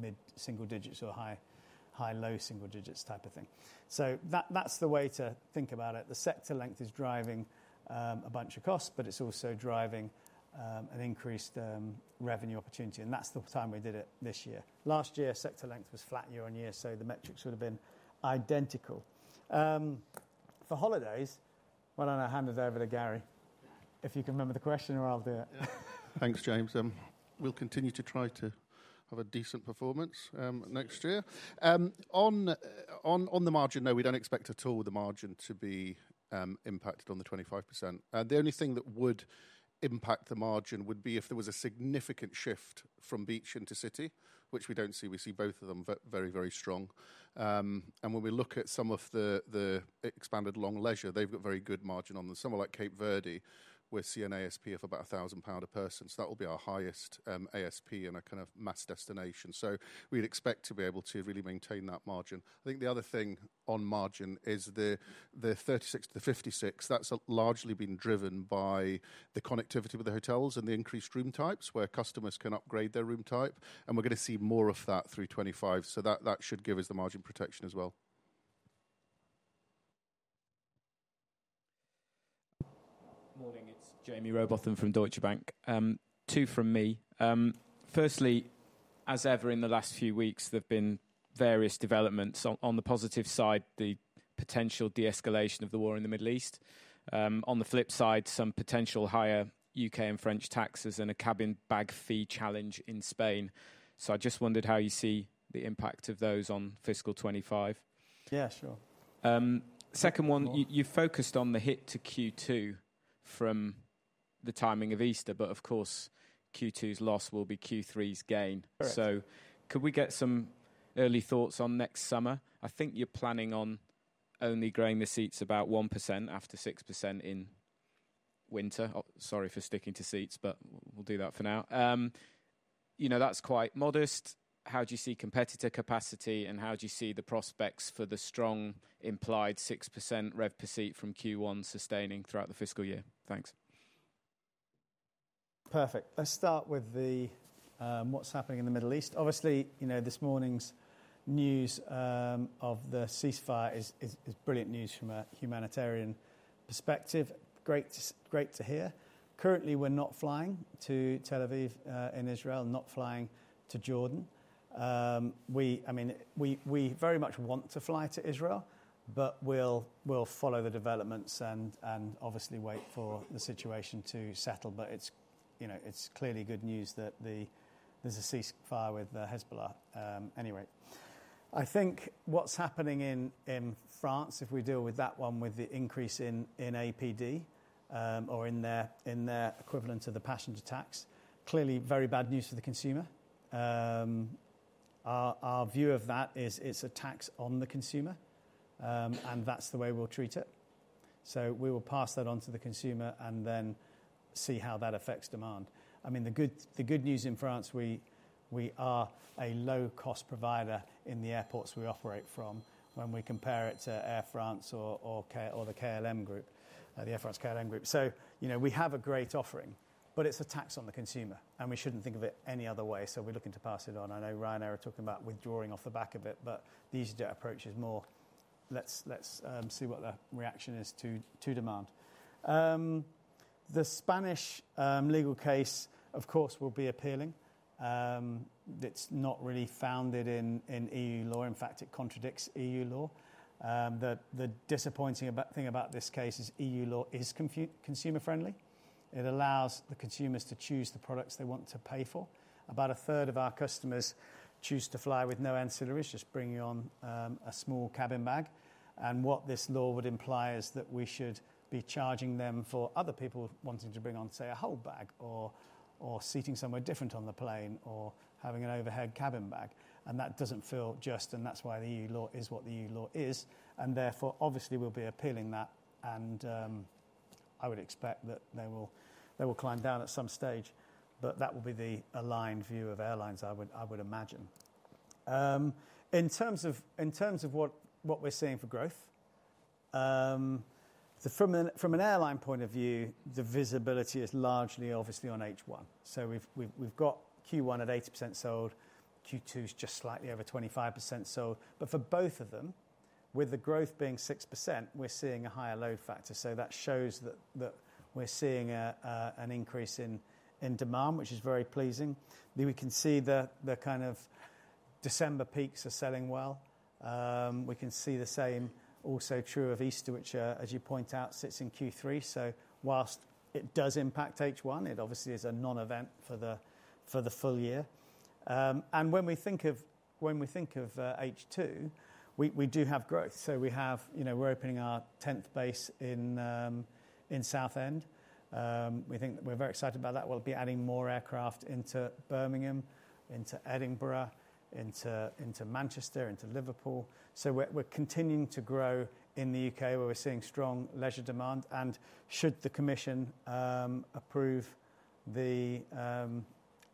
mid-single digits or high-low single digits type of thing. That's the way to think about it. The sector length is driving a bunch of costs, but it's also driving an increased revenue opportunity. That's the time we did it this year. Last year, sector length was flat year-on-year, so the metrics would have been identical. For holidays, why don't I hand it over to Garry? If you can remember the question, or I'll do it. Thanks, James. We'll continue to try to have a decent performance next year. On the margin, no, we don't expect at all the margin to be impacted on the 25%. The only thing that would impact the margin would be if there was a significant shift from beach into city, which we don't see. We see both of them very, very strong, and when we look at some of the expanded long leisure, they've got very good margin on them. Somewhere like Cape Verde, we're seeing ASP of about 1,000 pound a person. So that will be our highest ASP in a kind of mass destination. We'd expect to be able to really maintain that margin. I think the other thing on margin is the 36-56. That's largely been driven by the connectivity with the hotels and the increased room types where customers can upgrade their room type. And we're going to see more of that through 2025. So that should give us the margin protection as well. Good morning. It's Jaime Rowbotham from Deutsche Bank. Two from me. Firstly, as ever in the last few weeks, there have been various developments. On the positive side, the potential de-escalation of the war in the Middle East. On the flip side, some potential higher U.K. and French taxes and a cabin bag fee challenge in Spain. So I just wondered how you see the impact of those on fiscal 2025. Yeah, sure. Second one, you focused on the hit to Q2 from the timing of Easter, but of course, Q2's loss will be Q3's gain. So could we get some early thoughts on next summer? I think you're planning on only growing the seats about 1% after 6% in winter. Sorry for sticking to seats, but we'll do that for now. That's quite modest. How do you see competitor capacity, and how do you see the prospects for the strong implied 6% rev per seat from Q1 sustaining throughout the fiscal year? Thanks. Perfect. Let's start with what's happening in the Middle East. Obviously, this morning's news of the ceasefire is brilliant news from a humanitarian perspective. Great to hear. Currently, we're not flying to Tel Aviv in Israel, not flying to Jordan. I mean, we very much want to fly to Israel, but we'll follow the developments and obviously wait for the situation to settle. But it's clearly good news that there's a ceasefire with Hezbollah anyway. I think what's happening in France, if we deal with that one with the increase in APD or in their equivalent of the passenger tax, clearly very bad news for the consumer. Our view of that is it's a tax on the consumer, and that's the way we'll treat it. So we will pass that on to the consumer and then see how that affects demand. I mean, the good news in France, we are a low-cost provider in the airports we operate from when we compare it to Air France or the KLM Group, the Air France-KLM Group. So we have a great offering, but it's a tax on the consumer, and we shouldn't think of it any other way. So we're looking to pass it on. I know Ryanair are talking about withdrawing off the back of it, but the easy approach is more, let's see what the reaction is to demand. The Spanish legal case, of course, will be appealing. It's not really founded in EU law. In fact, it contradicts EU law. The disappointing thing about this case is EU law is consumer-friendly. It allows the consumers to choose the products they want to pay for. About a third of our customers choose to fly with no ancillaries, just bringing on a small cabin bag. And what this law would imply is that we should be charging them for other people wanting to bring on, say, a whole bag or seating somewhere different on the plane or having an overhead cabin bag. And that doesn't feel just, and that's why the EU law is what the EU law is. And therefore, obviously, we'll be appealing that. And I would expect that they will climb down at some stage, but that will be the aligned view of airlines, I would imagine. In terms of what we're seeing for growth, from an airline point of view, the visibility is largely obviously on H1. So we've got Q1 at 80% sold. Q2 is just slightly over 25% sold. But for both of them, with the growth being 6%, we're seeing a higher load factor. So that shows that we're seeing an increase in demand, which is very pleasing. We can see the kind of December peaks are selling well. We can see the same also true of Easter, which, as you point out, sits in Q3. So while it does impact H1, it obviously is a non-event for the full year. And when we think of H2, we do have growth. So we're opening our 10th base in Southend. We think we're very excited about that. We'll be adding more aircraft into Birmingham, into Edinburgh, into Manchester, into Liverpool. So we're continuing to grow in the U.K., where we're seeing strong leisure demand. And should the Commission approve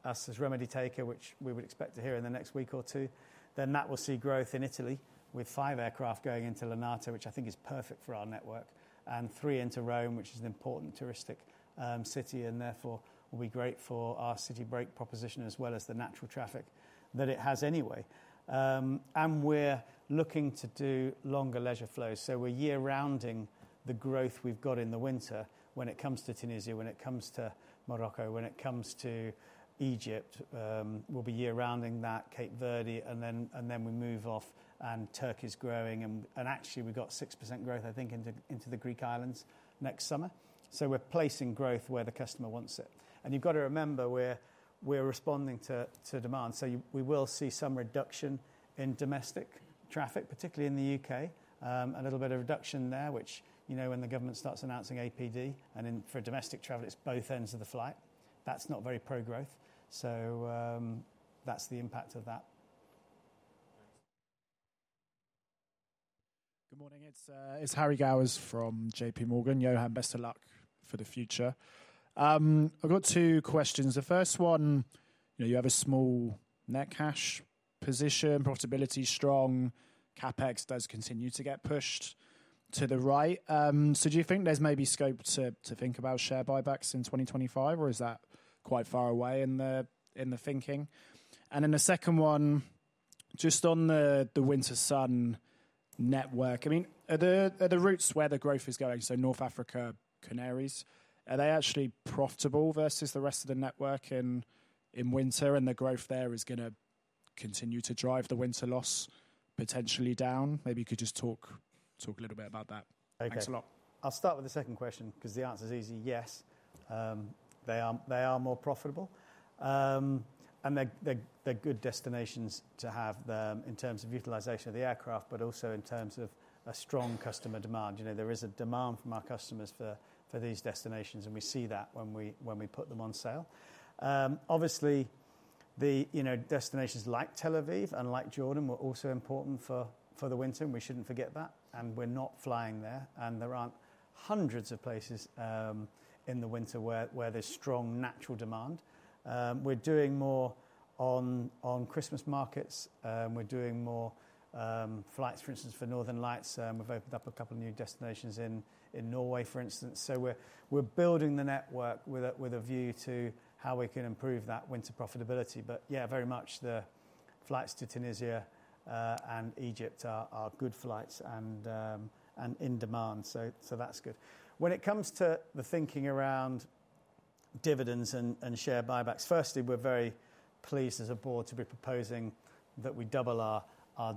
us as remedy taker, which we would expect to hear in the next week or two, then that will see growth in Italy with five aircraft going into Linate, which I think is perfect for our network, and three into Rome, which is an important touristic city. And therefore, we'll be great for our city break proposition as well as the natural traffic that it has anyway. And we're looking to do longer leisure flows. So we're year-rounding the growth we've got in the winter when it comes to Tunisia, when it comes to Morocco, when it comes to Egypt. We'll be year-rounding that, Cape Verde, and then we move off, and Turkey's growing. And actually, we've got 6% growth, I think, into the Greek Islands next summer. So we're placing growth where the customer wants it. And you've got to remember, we're responding to demand. So we will see some reduction in domestic traffic, particularly in the U.K., a little bit of reduction there, which when the government starts announcing APD and for domestic travel, it's both ends of the flight. That's not very pro-growth. So that's the impact of that. Good morning. It's Harry Gowers from J.P. Morgan. Johan, best of luck for the future. I've got two questions. The first one, you have a small net cash position, profitability strong, CapEx does continue to get pushed to the right. So do you think there's maybe scope to think about share buybacks in 2025, or is that quite far away in the thinking? And then the second one, just on the winter sun network, I mean, are the routes where the growth is going, so North Africa Canaries, are they actually profitable versus the rest of the network in winter? And the growth there is going to continue to drive the winter loss potentially down? Maybe you could just talk a little bit about that. Thanks a lot. I'll start with the second question because the answer is easy. Yes, they are more profitable. And they're good destinations to have in terms of utilization of the aircraft, but also in terms of a strong customer demand. There is a demand from our customers for these destinations, and we see that when we put them on sale. Obviously, the destinations like Tel Aviv and like Jordan were also important for the winter, and we shouldn't forget that. And we're not flying there. And there aren't hundreds of places in the winter where there's strong natural demand. We're doing more on Christmas markets. We're doing more flights, for instance, for Northern Lights. We've opened up a couple of new destinations in Norway, for instance. So we're building the network with a view to how we can improve that winter profitability. But yeah, very much the flights to Tunisia and Egypt are good flights and in demand. So that's good. When it comes to the thinking around dividends and share buybacks, firstly, we're very pleased as a board to be proposing that we double our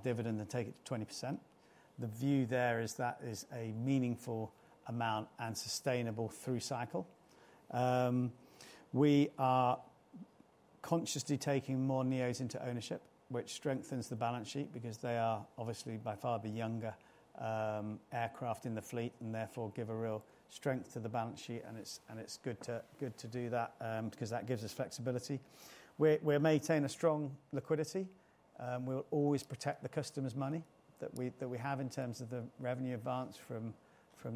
dividend and take it to 20%. The view there is that is a meaningful amount and sustainable through cycle. We are consciously taking more NEOs into ownership, which strengthens the balance sheet because they are obviously by far the younger aircraft in the fleet and therefore give a real strength to the balance sheet. And it's good to do that because that gives us flexibility. We maintain a strong liquidity. We will always protect the customer's money that we have in terms of the revenue advance from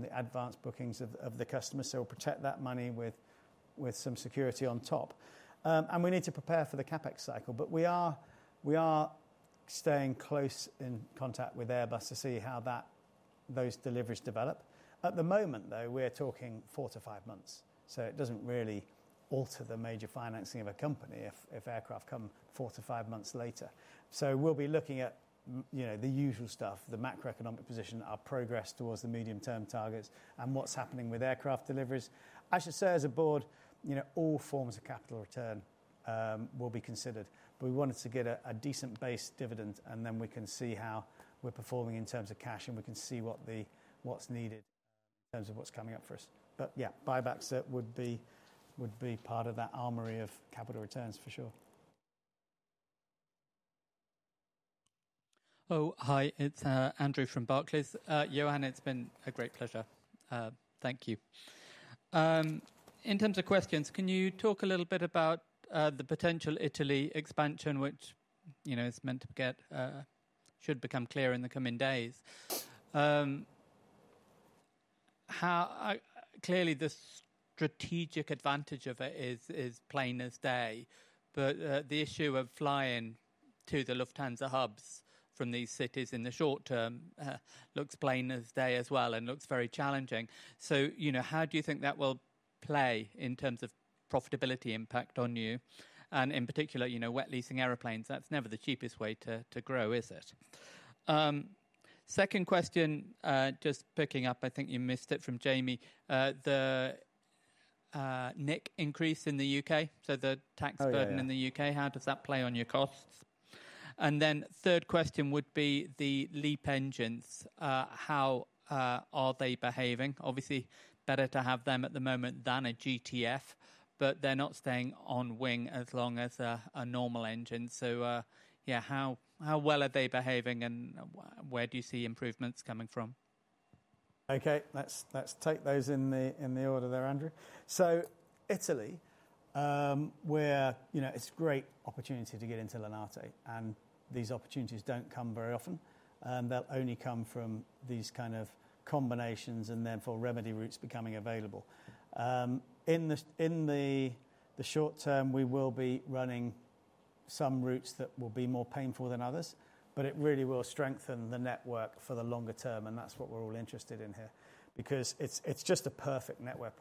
the advance bookings of the customer. So we'll protect that money with some security on top. And we need to prepare for the CapEx cycle, but we are staying close in contact with Airbus to see how those deliveries develop. At the moment, though, we're talking four to five months. So it doesn't really alter the major financing of a company if aircraft come four to five months later. So we'll be looking at the usual stuff, the macroeconomic position, our progress towards the medium-term targets, and what's happening with aircraft deliveries. I should say as a board, all forms of capital return will be considered. But we wanted to get a decent base dividend, and then we can see how we're performing in terms of cash, and we can see what's needed in terms of what's coming up for us. But yeah, buybacks would be part of that armory of capital returns for sure. Oh, hi. It's Andrew from Barclays. Johan, it's been a great pleasure. Thank you. In terms of questions, can you talk a little bit about the potential Italy expansion, which is meant to should become clear in the coming days? Clearly, the strategic advantage of it is plain as day. But the issue of flying to the Lufthansa hubs from these cities in the short term looks plain as day as well and looks very challenging. So how do you think that will play in terms of profitability impact on you? And in particular, wet leasing airplanes, that's never the cheapest way to grow, is it? Second question, just picking up, I think you missed it from Jamie, the net increase in the U.K., so the tax burden in the U.K., how does that play on your costs? And then third question would be the LEAP engines. How are they behaving? Obviously, better to have them at the moment than a GTF, but they're not staying on wing as long as a normal engine. So yeah, how well are they behaving and where do you see improvements coming from? Okay, let's take those in the order there, Andrew. So Italy, it's a great opportunity to get into Linate. And these opportunities don't come very often. They'll only come from these kind of combinations and therefore remedy routes becoming available. In the short term, we will be running some routes that will be more painful than others, but it really will strengthen the network for the longer term. And that's what we're all interested in here because it's just a perfect network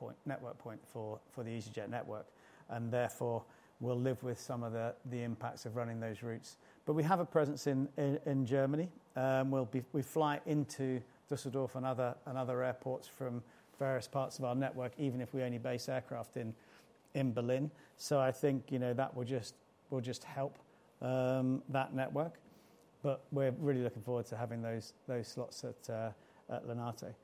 point for the easyJet network. And therefore, we'll live with some of the impacts of running those routes. But we have a presence in Germany. We fly into Düsseldorf and other airports from various parts of our network, even if we only base aircraft in Berlin. So I think that will just help that network. But we're really looking forward to having those slots at Linate.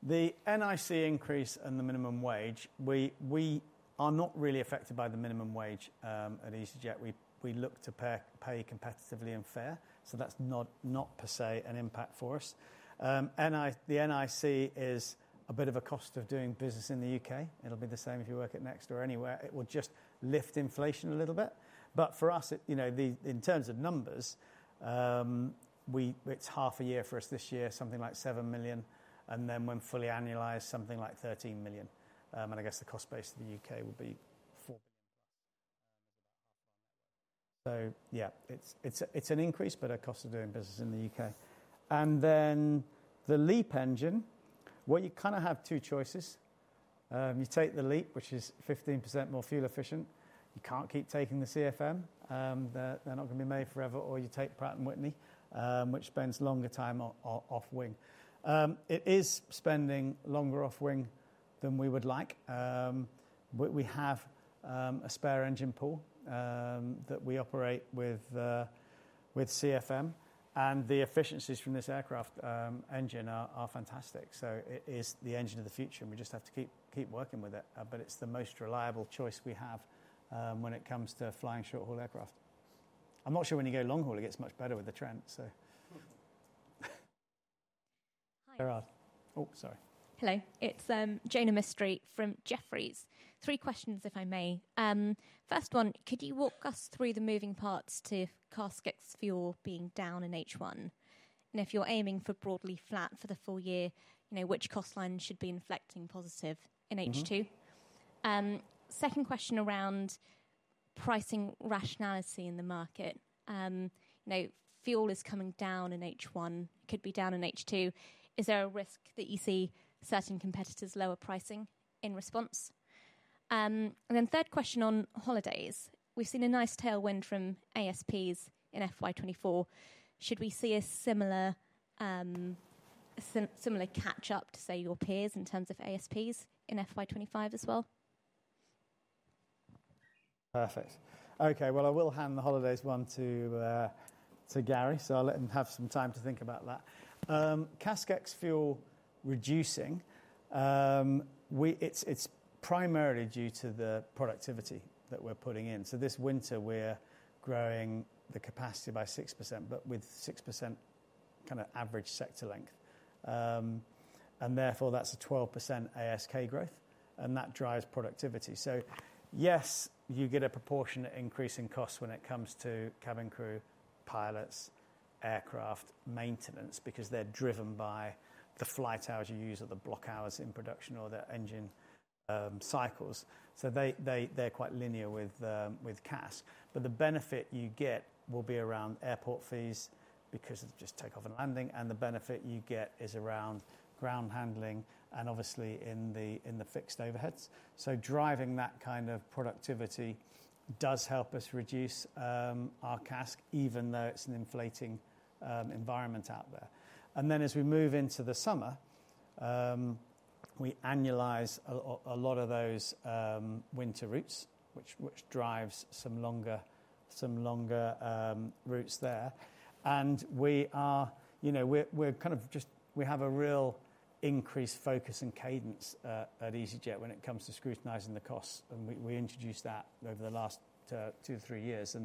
The NIC increase and the minimum wage, we are not really affected by the minimum wage at easyJet. We look to pay competitively and fair. So that's not per se an impact for us. The NIC is a bit of a cost of doing business in the U.K. It'll be the same if you work at next or anywhere. It will just lift inflation a little bit. But for us, in terms of numbers, it's half a year for us this year, something like 7 million. And then when fully annualized, something like 13 million. And I guess the cost base of the U.K. will be 4. So yeah, it's an increase, but a cost of doing business in the U.K. And then the LEAP engine, well, you kind of have two choices. You take the LEAP, which is 15% more fuel efficient. You can't keep taking the CFM. They're not going to be made forever. Or you take Pratt & Whitney, which spends longer time off wing. It is spending longer off wing than we would like. We have a spare engine pool that we operate with CFM. And the efficiencies from this aircraft engine are fantastic. So it is the engine of the future, and we just have to keep working with it. But it's the most reliable choice we have when it comes to flying short-haul aircraft. I'm not sure when you go long-haul, it gets much better with the trend, so. Hello. It's Jaina Mistry from Jefferies. Three questions, if I may. First one, could you walk us through the moving parts to CASK ex-fuel being down in H1? And if you're aiming for broadly flat for the full year, which cost lines should be inflecting positive in H2? Second question around pricing rationality in the market. Fuel is coming down in H1. It could be down in H2. Is there a risk that you see certain competitors lower pricing in response? And then third question on holidays. We've seen a nice tailwind from ASPs in FY 2024. Should we see a similar catch-up to, say, your peers in terms of ASPs in FY 2025 as well? Perfect. Okay, well, I will hand the holidays one to Garry. So I'll let him have some time to think about that. CASK. Ex-fuel reducing, it's primarily due to the productivity that we're putting in. So this winter, we're growing the capacity by 6%, but with 6% kind of average sector length. And therefore, that's a 12% ASK growth. And that drives productivity. So yes, you get a proportionate increase in costs when it comes to cabin crew, pilots, aircraft maintenance because they're driven by the flight hours you use or the block hours in production or the engine cycles. So they're quite linear with CASK. But the benefit you get will be around airport fees because of just takeoff and landing. And the benefit you get is around ground handling and obviously in the fixed overheads. So driving that kind of productivity does help us reduce our CASK, even though it's an inflating environment out there. Then as we move into the summer, we annualize a lot of those winter routes, which drives some longer routes there. We're kind of just, we have a real increased focus and cadence at easyJet when it comes to scrutinizing the costs. We introduced that over the last two to three years.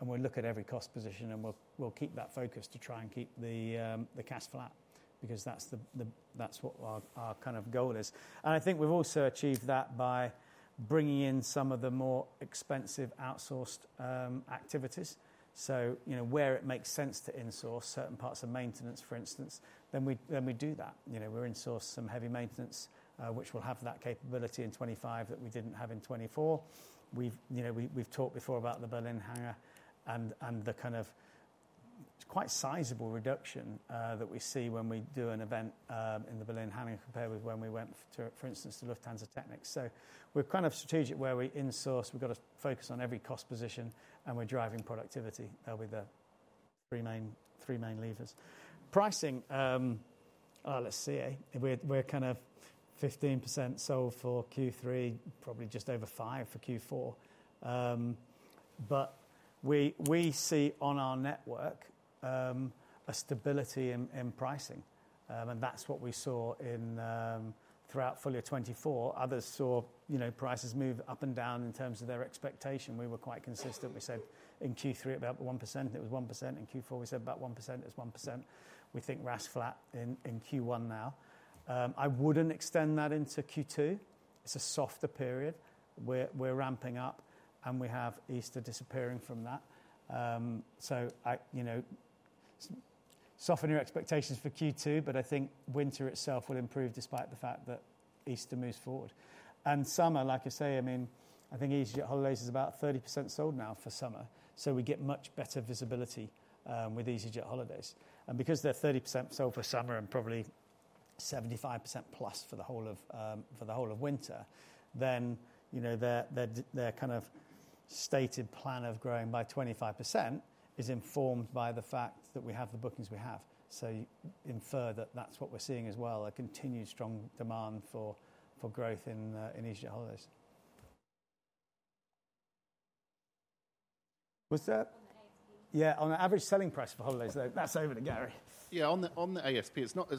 We'll look at every cost position, and we'll keep that focus to try and keep the CASK flat because that's what our kind of goal is. I think we've also achieved that by bringing in some of the more expensive outsourced activities. So where it makes sense to insource certain parts of maintenance, for instance, then we do that. We've insourced some heavy maintenance, which will have that capability in 2025 that we didn't have in 2024. We've talked before about the Berlin Hangar and the kind of quite sizable reduction that we see when we do an event in the Berlin Hangar compared with when we went, for instance, to Lufthansa Technik. So we're kind of strategic where we insource. We've got to focus on every cost position, and we're driving productivity. There'll be the three main levers. Pricing, let's see. We're kind of 15% sold for Q3, probably just over 5% for Q4. But we see on our network a stability in pricing. And that's what we saw throughout FY of 2024. Others saw prices move up and down in terms of their expectation. We were quite consistent. We said in Q3 about 1%, it was 1%. In Q4, we said about 1%, it's 1%. We think RASK flat in Q1 now. I wouldn't extend that into Q2. It's a softer period. We're ramping up, and we have Easter disappearing from that. So, soften your expectations for Q2, but I think winter itself will improve despite the fact that Easter moves forward, and summer, like I say, I mean, I think easyJet Holidays is about 30% sold now for summer. So, we get much better visibility with easyJet Holidays. And because they're 30% sold for summer and probably 75% plus for the whole of winter, then their kind of stated plan of growing by 25% is informed by the fact that we have the bookings we have. So, infer that that's what we're seeing as well, a continued strong demand for growth in easyJet Holidays. Was that? Yeah, on the average selling price for holidays, though. That's over to Garry. Yeah, on the ASP, it's not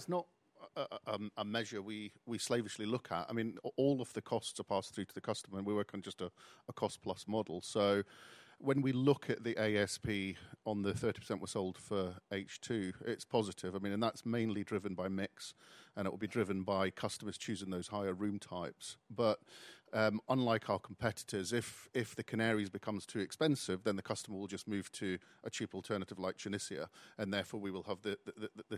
a measure we slavishly look at. I mean, all of the costs are passed through to the customer, and we work on just a cost-plus model. So when we look at the ASP on the 30% we sold for H2, it's positive. I mean, and that's mainly driven by mix, and it will be driven by customers choosing those higher room types. But unlike our competitors, if the Canaries becomes too expensive, then the customer will just move to a cheap alternative like Tunisia. And therefore, we will have the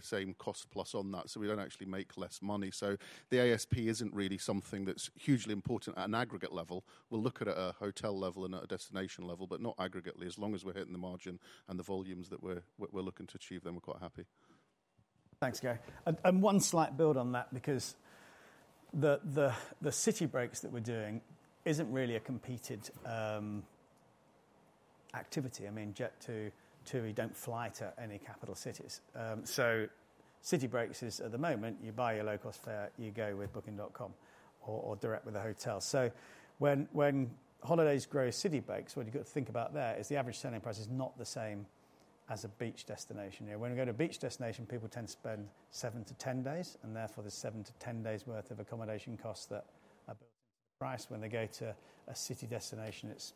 same cost plus on that. So we don't actually make less money. So the ASP isn't really something that's hugely important at an aggregate level. We'll look at it at a hotel level and at a destination level, but not aggregately. As long as we're hitting the margin and the volumes that we're looking to achieve, then we're quite happy. Thanks, Garry. One slight build on that because the city breaks that we're doing isn't really a competitive activity. I mean, Jet2, TUI don't fly to any capital cities. So city breaks is at the moment, you buy your low-cost fare, you go with Booking.com or direct with a hotel. So when holidays grow city breaks, what you've got to think about there is the average selling price is not the same as a beach destination. When we go to a beach destination, people tend to spend seven to 10 days, and therefore, there's seven to 10 days' worth of accommodation costs that are built into the price. When they go to a city destination, it's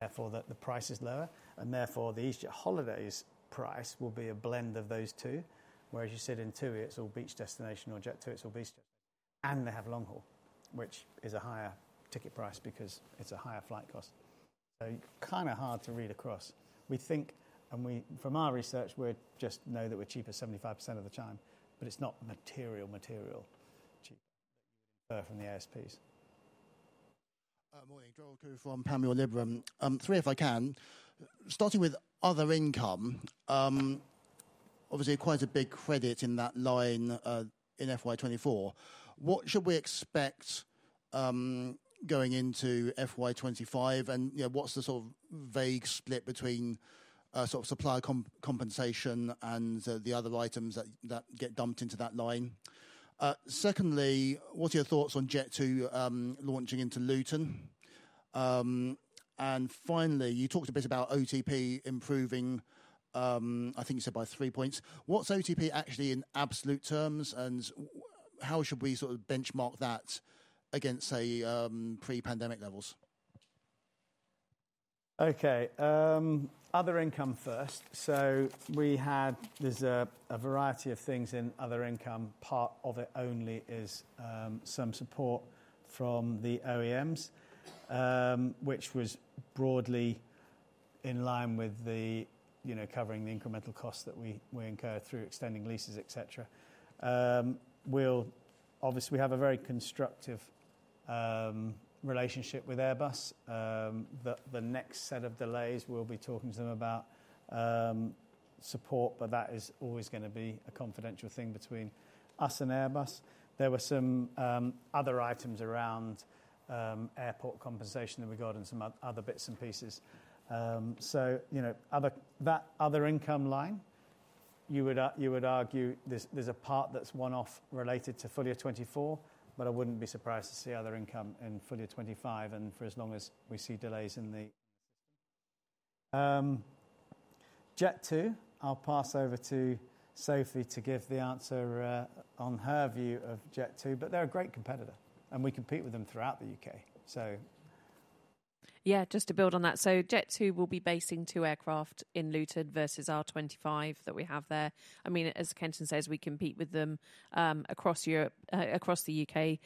three to four days. And therefore, the price is lower. And therefore, the easyJet Holidays price will be a blend of those two. Whereas you sit in TUI, it's all beach destination or Jet2, it's all beach destination. And they have long-haul, which is a higher ticket price because it's a higher flight cost. So kind of hard to read across. We think, from our research, we just know that we're cheaper 75% of the time, but it's not material, material cheaper than you would infer from the ASPs. Morning, Gerald Khoo from Panmure Liberum. Three, if I can. Starting with other income, obviously quite a big credit in that line in FY 2024. What should we expect going into FY 2025? And what's the sort of vague split between sort of supply compensation and the other items that get dumped into that line? Secondly, what are your thoughts on Jet2 launching into Luton? And finally, you talked a bit about OTP improving, I think you said by three points. What's OTP actually in absolute terms? And how should we sort of benchmark that against, say, pre-pandemic levels? Okay, other income first. So there's a variety of things in other income. Part of it only is some support from the OEMs, which was broadly in line with covering the incremental costs that we incur through extending leases, etc. Obviously, we have a very constructive relationship with Airbus. The next set of delays, we'll be talking to them about support, but that is always going to be a confidential thing between us and Airbus. There were some other items around airport compensation that we got and some other bits and pieces. So that other income line, you would argue there's a part that's one-off related to FY of 2024, but I wouldn't be surprised to see other income in FY of 2025 and for as long as we see delays in the system. Jet2, I'll pass over to Sophie to give the answer on her view of Jet2, but they're a great competitor and we compete with them throughout the U.K., so. Yeah, just to build on that. So Jet2 will be basing two aircraft in Luton versus our 25 that we have there. I mean, as Kenton says, we compete with them across the U.K.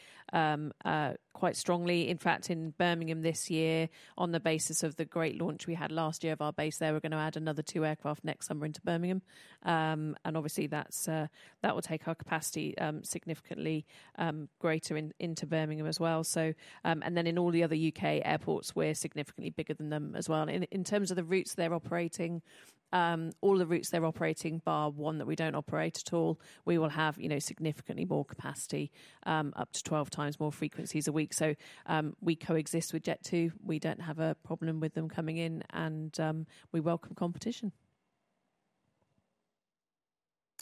quite strongly. In fact, in Birmingham this year, on the basis of the great launch we had last year of our base there, we're going to add another two aircraft next summer into Birmingham. Obviously, that will take our capacity significantly greater into Birmingham as well. Then in all the other U.K. airports, we're significantly bigger than them as well. In terms of the routes they're operating, all the routes they're operating, bar one that we don't operate at all, we will have significantly more capacity, up to 12x more frequencies a week. We coexist with Jet2. We don't have a problem with them coming in, and we welcome competition.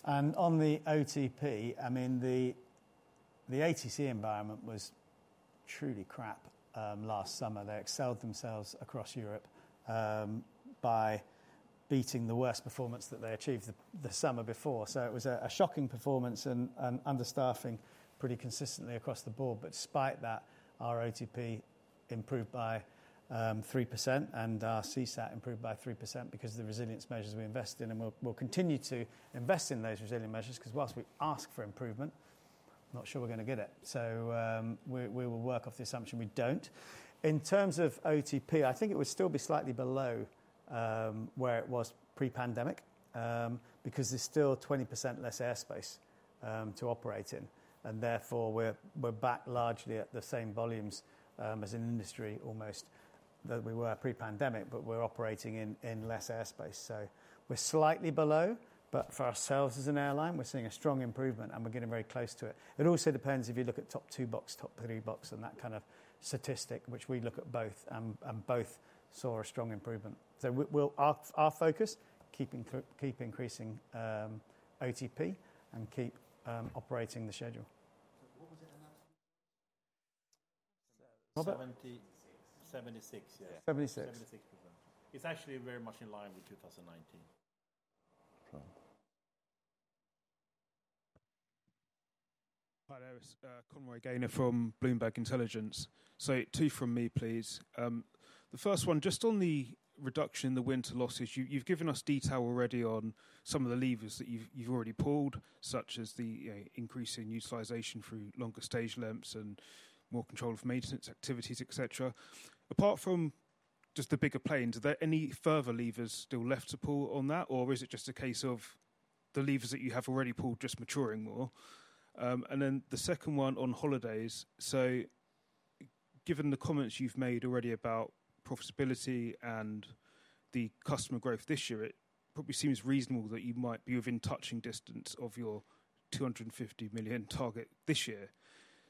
On the OTP, I mean, the ATC environment was truly crap last summer. They excelled themselves across Europe by beating the worst performance that they achieved the summer before. It was a shocking performance and understaffing pretty consistently across the board. Despite that, our OTP improved by 3% and our CSAT improved by 3% because of the resilience measures we invested in. We'll continue to invest in those resilient measures because whilst we ask for improvement, I'm not sure we're going to get it. We will work off the assumption we don't. In terms of OTP, I think it would still be slightly below where it was pre-pandemic because there's still 20% less airspace to operate in. And therefore, we're back largely at the same volumes as an industry almost that we were pre-pandemic, but we're operating in less airspace. We're slightly below, but for ourselves as an airline, we're seeing a strong improvement, and we're getting very close to it. It also depends if you look at top two box, top three box and that kind of statistic, which we look at both, and both saw a strong improvement. Our focus. Keep increasing OTP and keep operating the schedule. What was it? 76%. 76%, yeah. 76%. It's actually very much in line with 2019. All right. Conroy Gaynor from Bloomberg Intelligence. So two from me, please. The first one, just on the reduction in the winter losses, you've given us detail already on some of the levers that you've already pulled, such as the increasing utilization through longer stage lengths and more control of maintenance activities, etc. Apart from just the bigger planes, are there any further levers still left to pull on that, or is it just a case of the levers that you have already pulled just maturing more? And then the second one on holidays. So given the comments you've made already about profitability and the customer growth this year, it probably seems reasonable that you might be within touching distance of your 250 million target this year.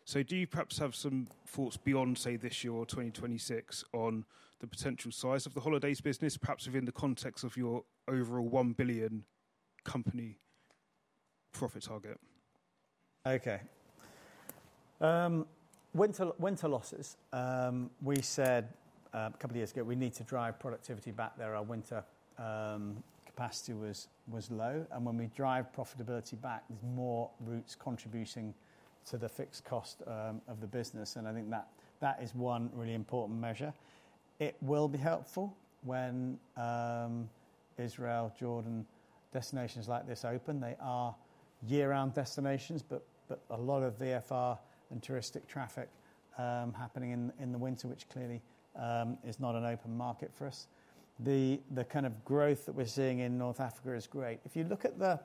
So do you perhaps have some thoughts beyond, say, this year or 2026 on the potential size of the holidays business, perhaps within the context of your overall 1 billion company profit target? Okay. Winter losses, we said a couple of years ago, we need to drive productivity back there. Our winter capacity was low. And when we drive profitability back, there's more routes contributing to the fixed cost of the business. And I think that is one really important measure. It will be helpful when Israel, Jordan, destinations like this open. They are year-round destinations, but a lot of VFR and touristic traffic happening in the winter, which clearly is not an open market for us. The kind of growth that we're seeing in North Africa is great. If you look at the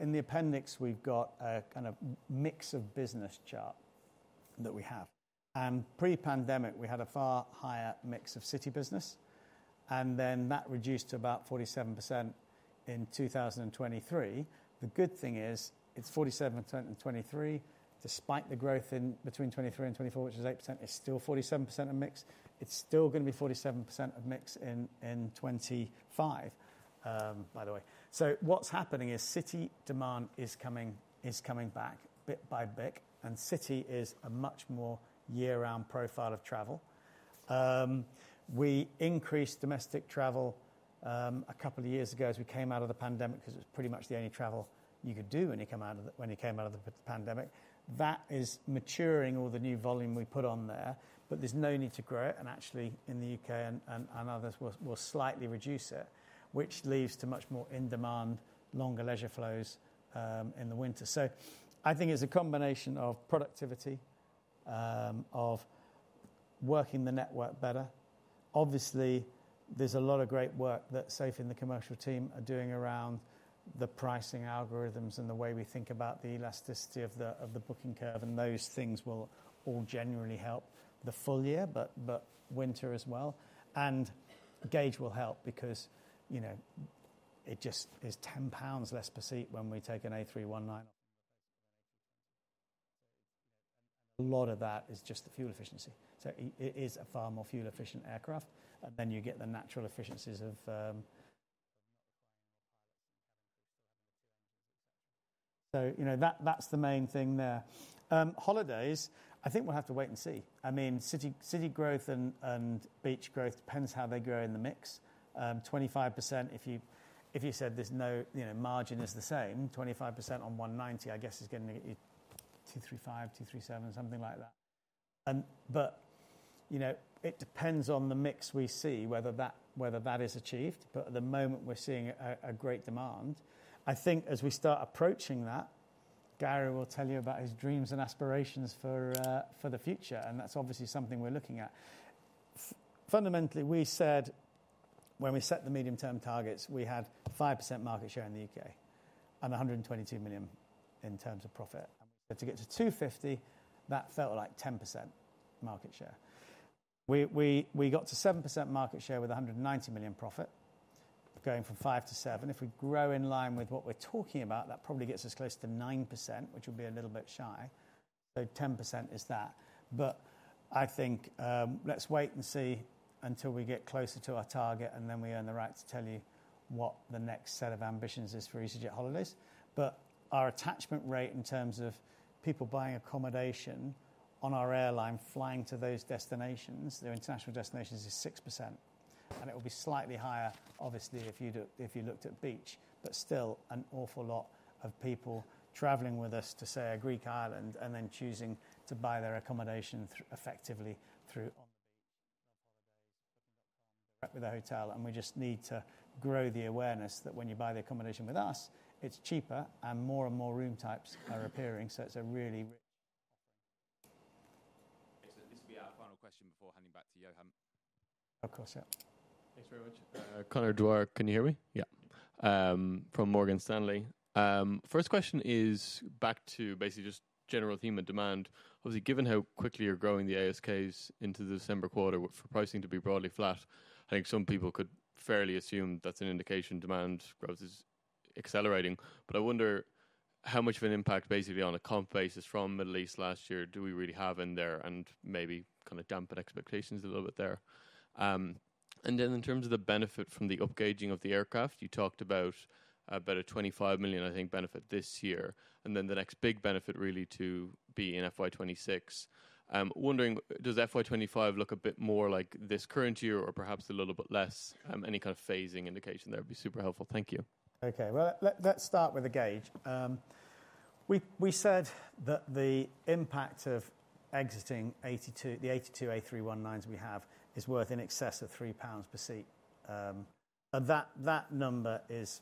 appendix, we've got a kind of mix of business chart that we have, and pre-pandemic, we had a far higher mix of city business, and then that reduced to about 47% in 2023. The good thing is it's 47% in 2023, despite the growth in between 2023 and 2024, which is 8%, it's still 47% of mix. It's still going to be 47% of mix in 2025, by the way, so what's happening is city demand is coming back bit by bit, and city is a much more year-round profile of travel. We increased domestic travel a couple of years ago as we came out of the pandemic because it was pretty much the only travel you could do when you came out of the pandemic. That is maturing all the new volume we put on there, but there's no need to grow it. And actually, in the U.K. and others, we'll slightly reduce it, which leads to much more in-demand, longer leisure flows in the winter. So I think it's a combination of productivity, of working the network better. Obviously, there's a lot of great work that Sophie and the commercial team are doing around the pricing algorithms and the way we think about the elasticity of the booking curve, and those things will all genuinely help the full year, but winter as well. And gauge will help because it just is 10 pounds less per seat when we take an A319 off of a basically an A320. And a lot of that is just the fuel efficiency. So it is a far more fuel-efficient aircraft. And then you get the natural efficiencies of not requiring more pilots and cabin crew, still having the two engines, etc. So that's the main thing there. Holidays, I think we'll have to wait and see. I mean, city growth and beach growth depends how they grow in the mix. 25%, if you said there's no margin is the same. 25% on 190, I guess, is going to get you 235, 237, something like that. But it depends on the mix we see whether that is achieved. But at the moment, we're seeing a great demand. I think as we start approaching that, Garry will tell you about his dreams and aspirations for the future. And that's obviously something we're looking at. Fundamentally, we said when we set the medium-term targets, we had 5% market share in the U.K. and 122 million in terms of profit. To get to 250, that felt like 10% market share. We got to 7% market share with 190 million profit, going from 5%-7%. If we grow in line with what we're talking about, that probably gets us close to 9%, which would be a little bit shy. So 10% is that. But I think let's wait and see until we get closer to our target, and then we earn the right to tell you what the next set of ambitions is for easyJet Holidays. But our attachment rate in terms of people buying accommodation on our airline, flying to those destinations, their international destinations is 6%. And it will be slightly higher, obviously, if you looked at beaches, but still an awful lot of people traveling with us to, say, a Greek island and then choosing to buy their accommodation effectively through On the Beach, Loveholidays, Booking.com, direct with a hotel. And we just need to grow the awareness that when you buy the accommodation with us, it's cheaper and more and more room types are appearing. So it's a really rich offering. This will be our final question before handing back to Johan. Of course, yeah. Thanks very much. Conor Dwyer, can you hear me? Yeah. From Morgan Stanley. First question is back to basically just general theme and demand. Obviously, given how quickly you're growing the ASKs into the December quarter, for pricing to be broadly flat, I think some people could fairly assume that's an indication demand growth is accelerating. But I wonder how much of an impact basically on a comp basis from Middle East last year do we really have in there and maybe kind of dampen expectations a little bit there. And then in terms of the benefit from the upgauging of the aircraft, you talked about a 25 million, I think, benefit this year. And then the next big benefit really to be in FY 2026. Wondering, does FY 2025 look a bit more like this current year or perhaps a little bit less? Any kind of phasing indication there would be super helpful. Thank you. Okay, well, let's start with the gauge. We said that the impact of exiting the 82 A319s we have is worth in excess of 3 pounds per seat. And that number is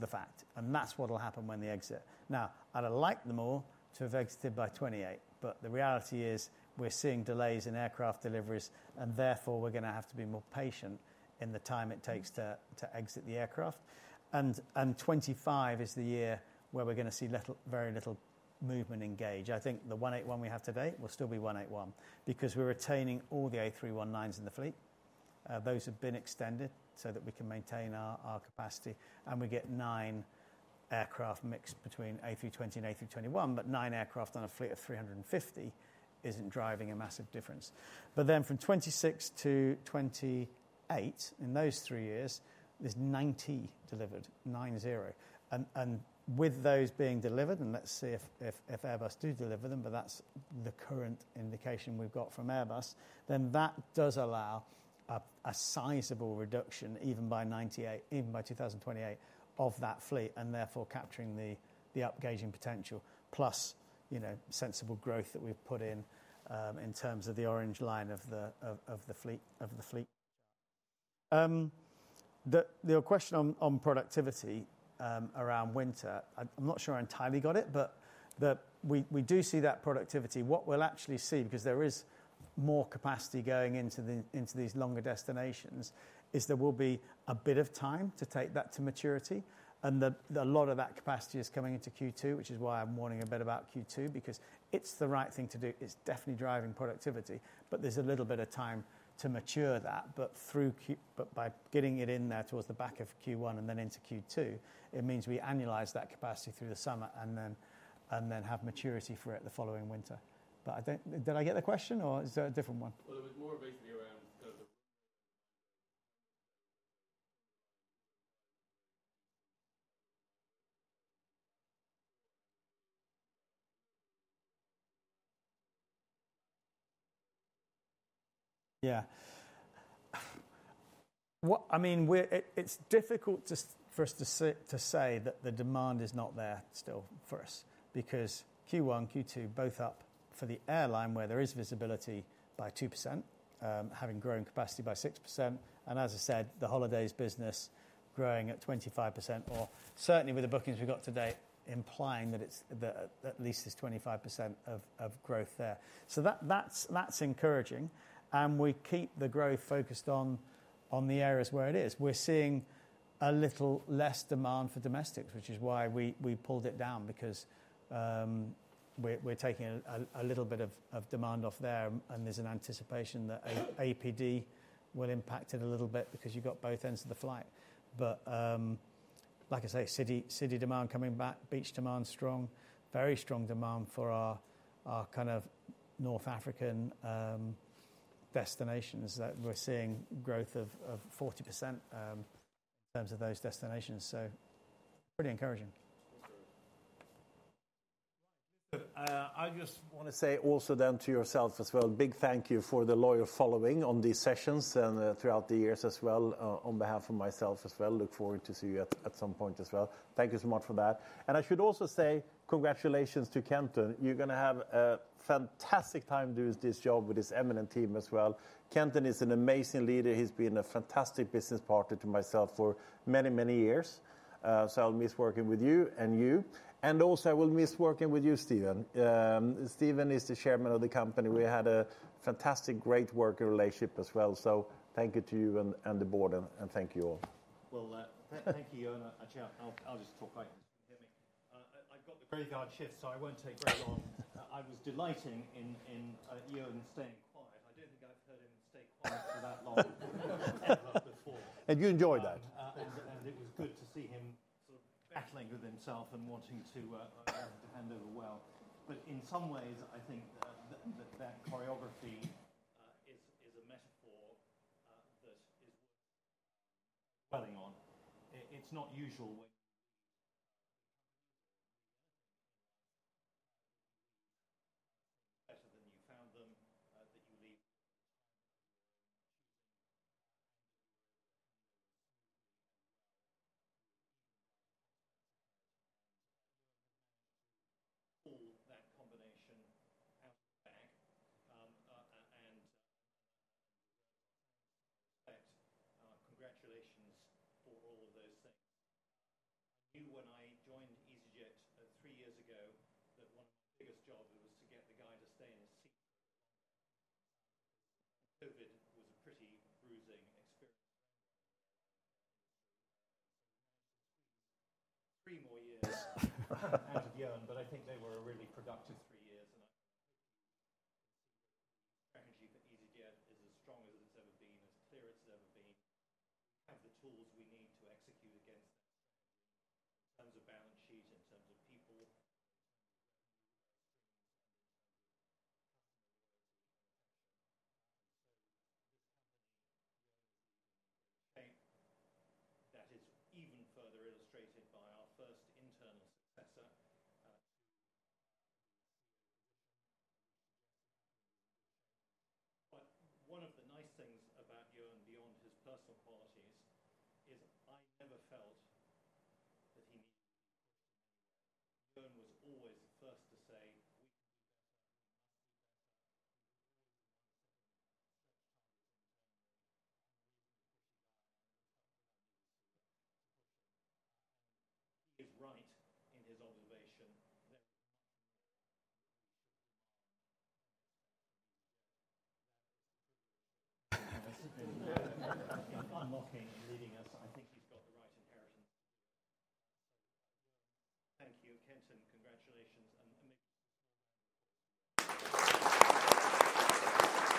the fact. And that's what will happen when they exit. Now, I'd have liked them all to have exited by 2028, but the reality is we're seeing delays in aircraft deliveries, and therefore we're going to have to be more patient in the time it takes to exit the aircraft, and 2025 is the year where we're going to see very little movement in gauge. I think the 181 we have today will still be 181 because we're retaining all the A319s in the fleet. Those have been extended so that we can maintain our capacity, and we get nine aircraft mixed between A320 and A321, but nine aircraft on a fleet of 350 isn't driving a massive difference, but then from 2026 to 2028, in those three years, there's 90 delivered, nine zero. And with those being delivered, and let's see if Airbus do deliver them, but that's the current indication we've got from Airbus, then that does allow a sizable reduction even by 98, even by 2028 of that fleet and therefore capturing the upgauging potential, plus sensible growth that we've put in in terms of the orange line of the fleet chart. The question on productivity around winter, I'm not sure I entirely got it, but we do see that productivity. What we'll actually see, because there is more capacity going into these longer destinations, is there will be a bit of time to take that to maturity. And a lot of that capacity is coming into Q2, which is why I'm warning a bit about Q2, because it's the right thing to do. It's definitely driving productivity, but there's a little bit of time to mature that. But by getting it in there towards the back of Q1 and then into Q2, it means we annualize that capacity through the summer and then have maturity for it the following winter. But did I get the question, or is there a different one? Well, it was more basically around kind of the reasonable demand for the last few months. Yeah. I mean, it's difficult for us to say that the demand is not there still for us because Q1, Q2, both up for the airline where there is visibility by 2%, having grown capacity by 6%. And as I said, the holidays business growing at 25%, or certainly with the bookings we got today, implying that at least there's 25% of growth there. So that's encouraging. And we keep the growth focused on the areas where it is. We're seeing a little less demand for domestics, which is why we pulled it down because we're taking a little bit of demand off there. And there's an anticipation that APD will impact it a little bit because you've got both ends of the flight. But like I say, city demand coming back, beach demand strong, very strong demand for our kind of North African destinations that we're seeing growth of 40% in terms of those destinations. So pretty encouraging. Right. I just want to say also then to yourself as well, big thank you for the loyal following on these sessions and throughout the years as well on behalf of myself as well. Look forward to see you at some point as well. Thank you so much for that. And I should also say congratulations to Kenton. You're going to have a fantastic time doing this job with this eminent team as well. Kenton is an amazing leader. He's been a fantastic business partner to myself for many, many years, so I'll miss working with you and you, and also I will miss working with you, Stephen. Stephen is the chairman of the company. We had a fantastic, great working relationship as well, so thank you to you and the board, and thank you all. Well, thank you, Johan. I'll just talk quietly. You can hear me. I've got the very short shift, so I won't take very long. I was delighted in Johan staying quiet. I don't think I've heard him stay quiet for that long ever before. And you enjoyed that. And it was good to see him sort of battling with himself and wanting to hand over well. But in some ways, I think that choreography is a metaphor that is worth dwelling on. It's not usual when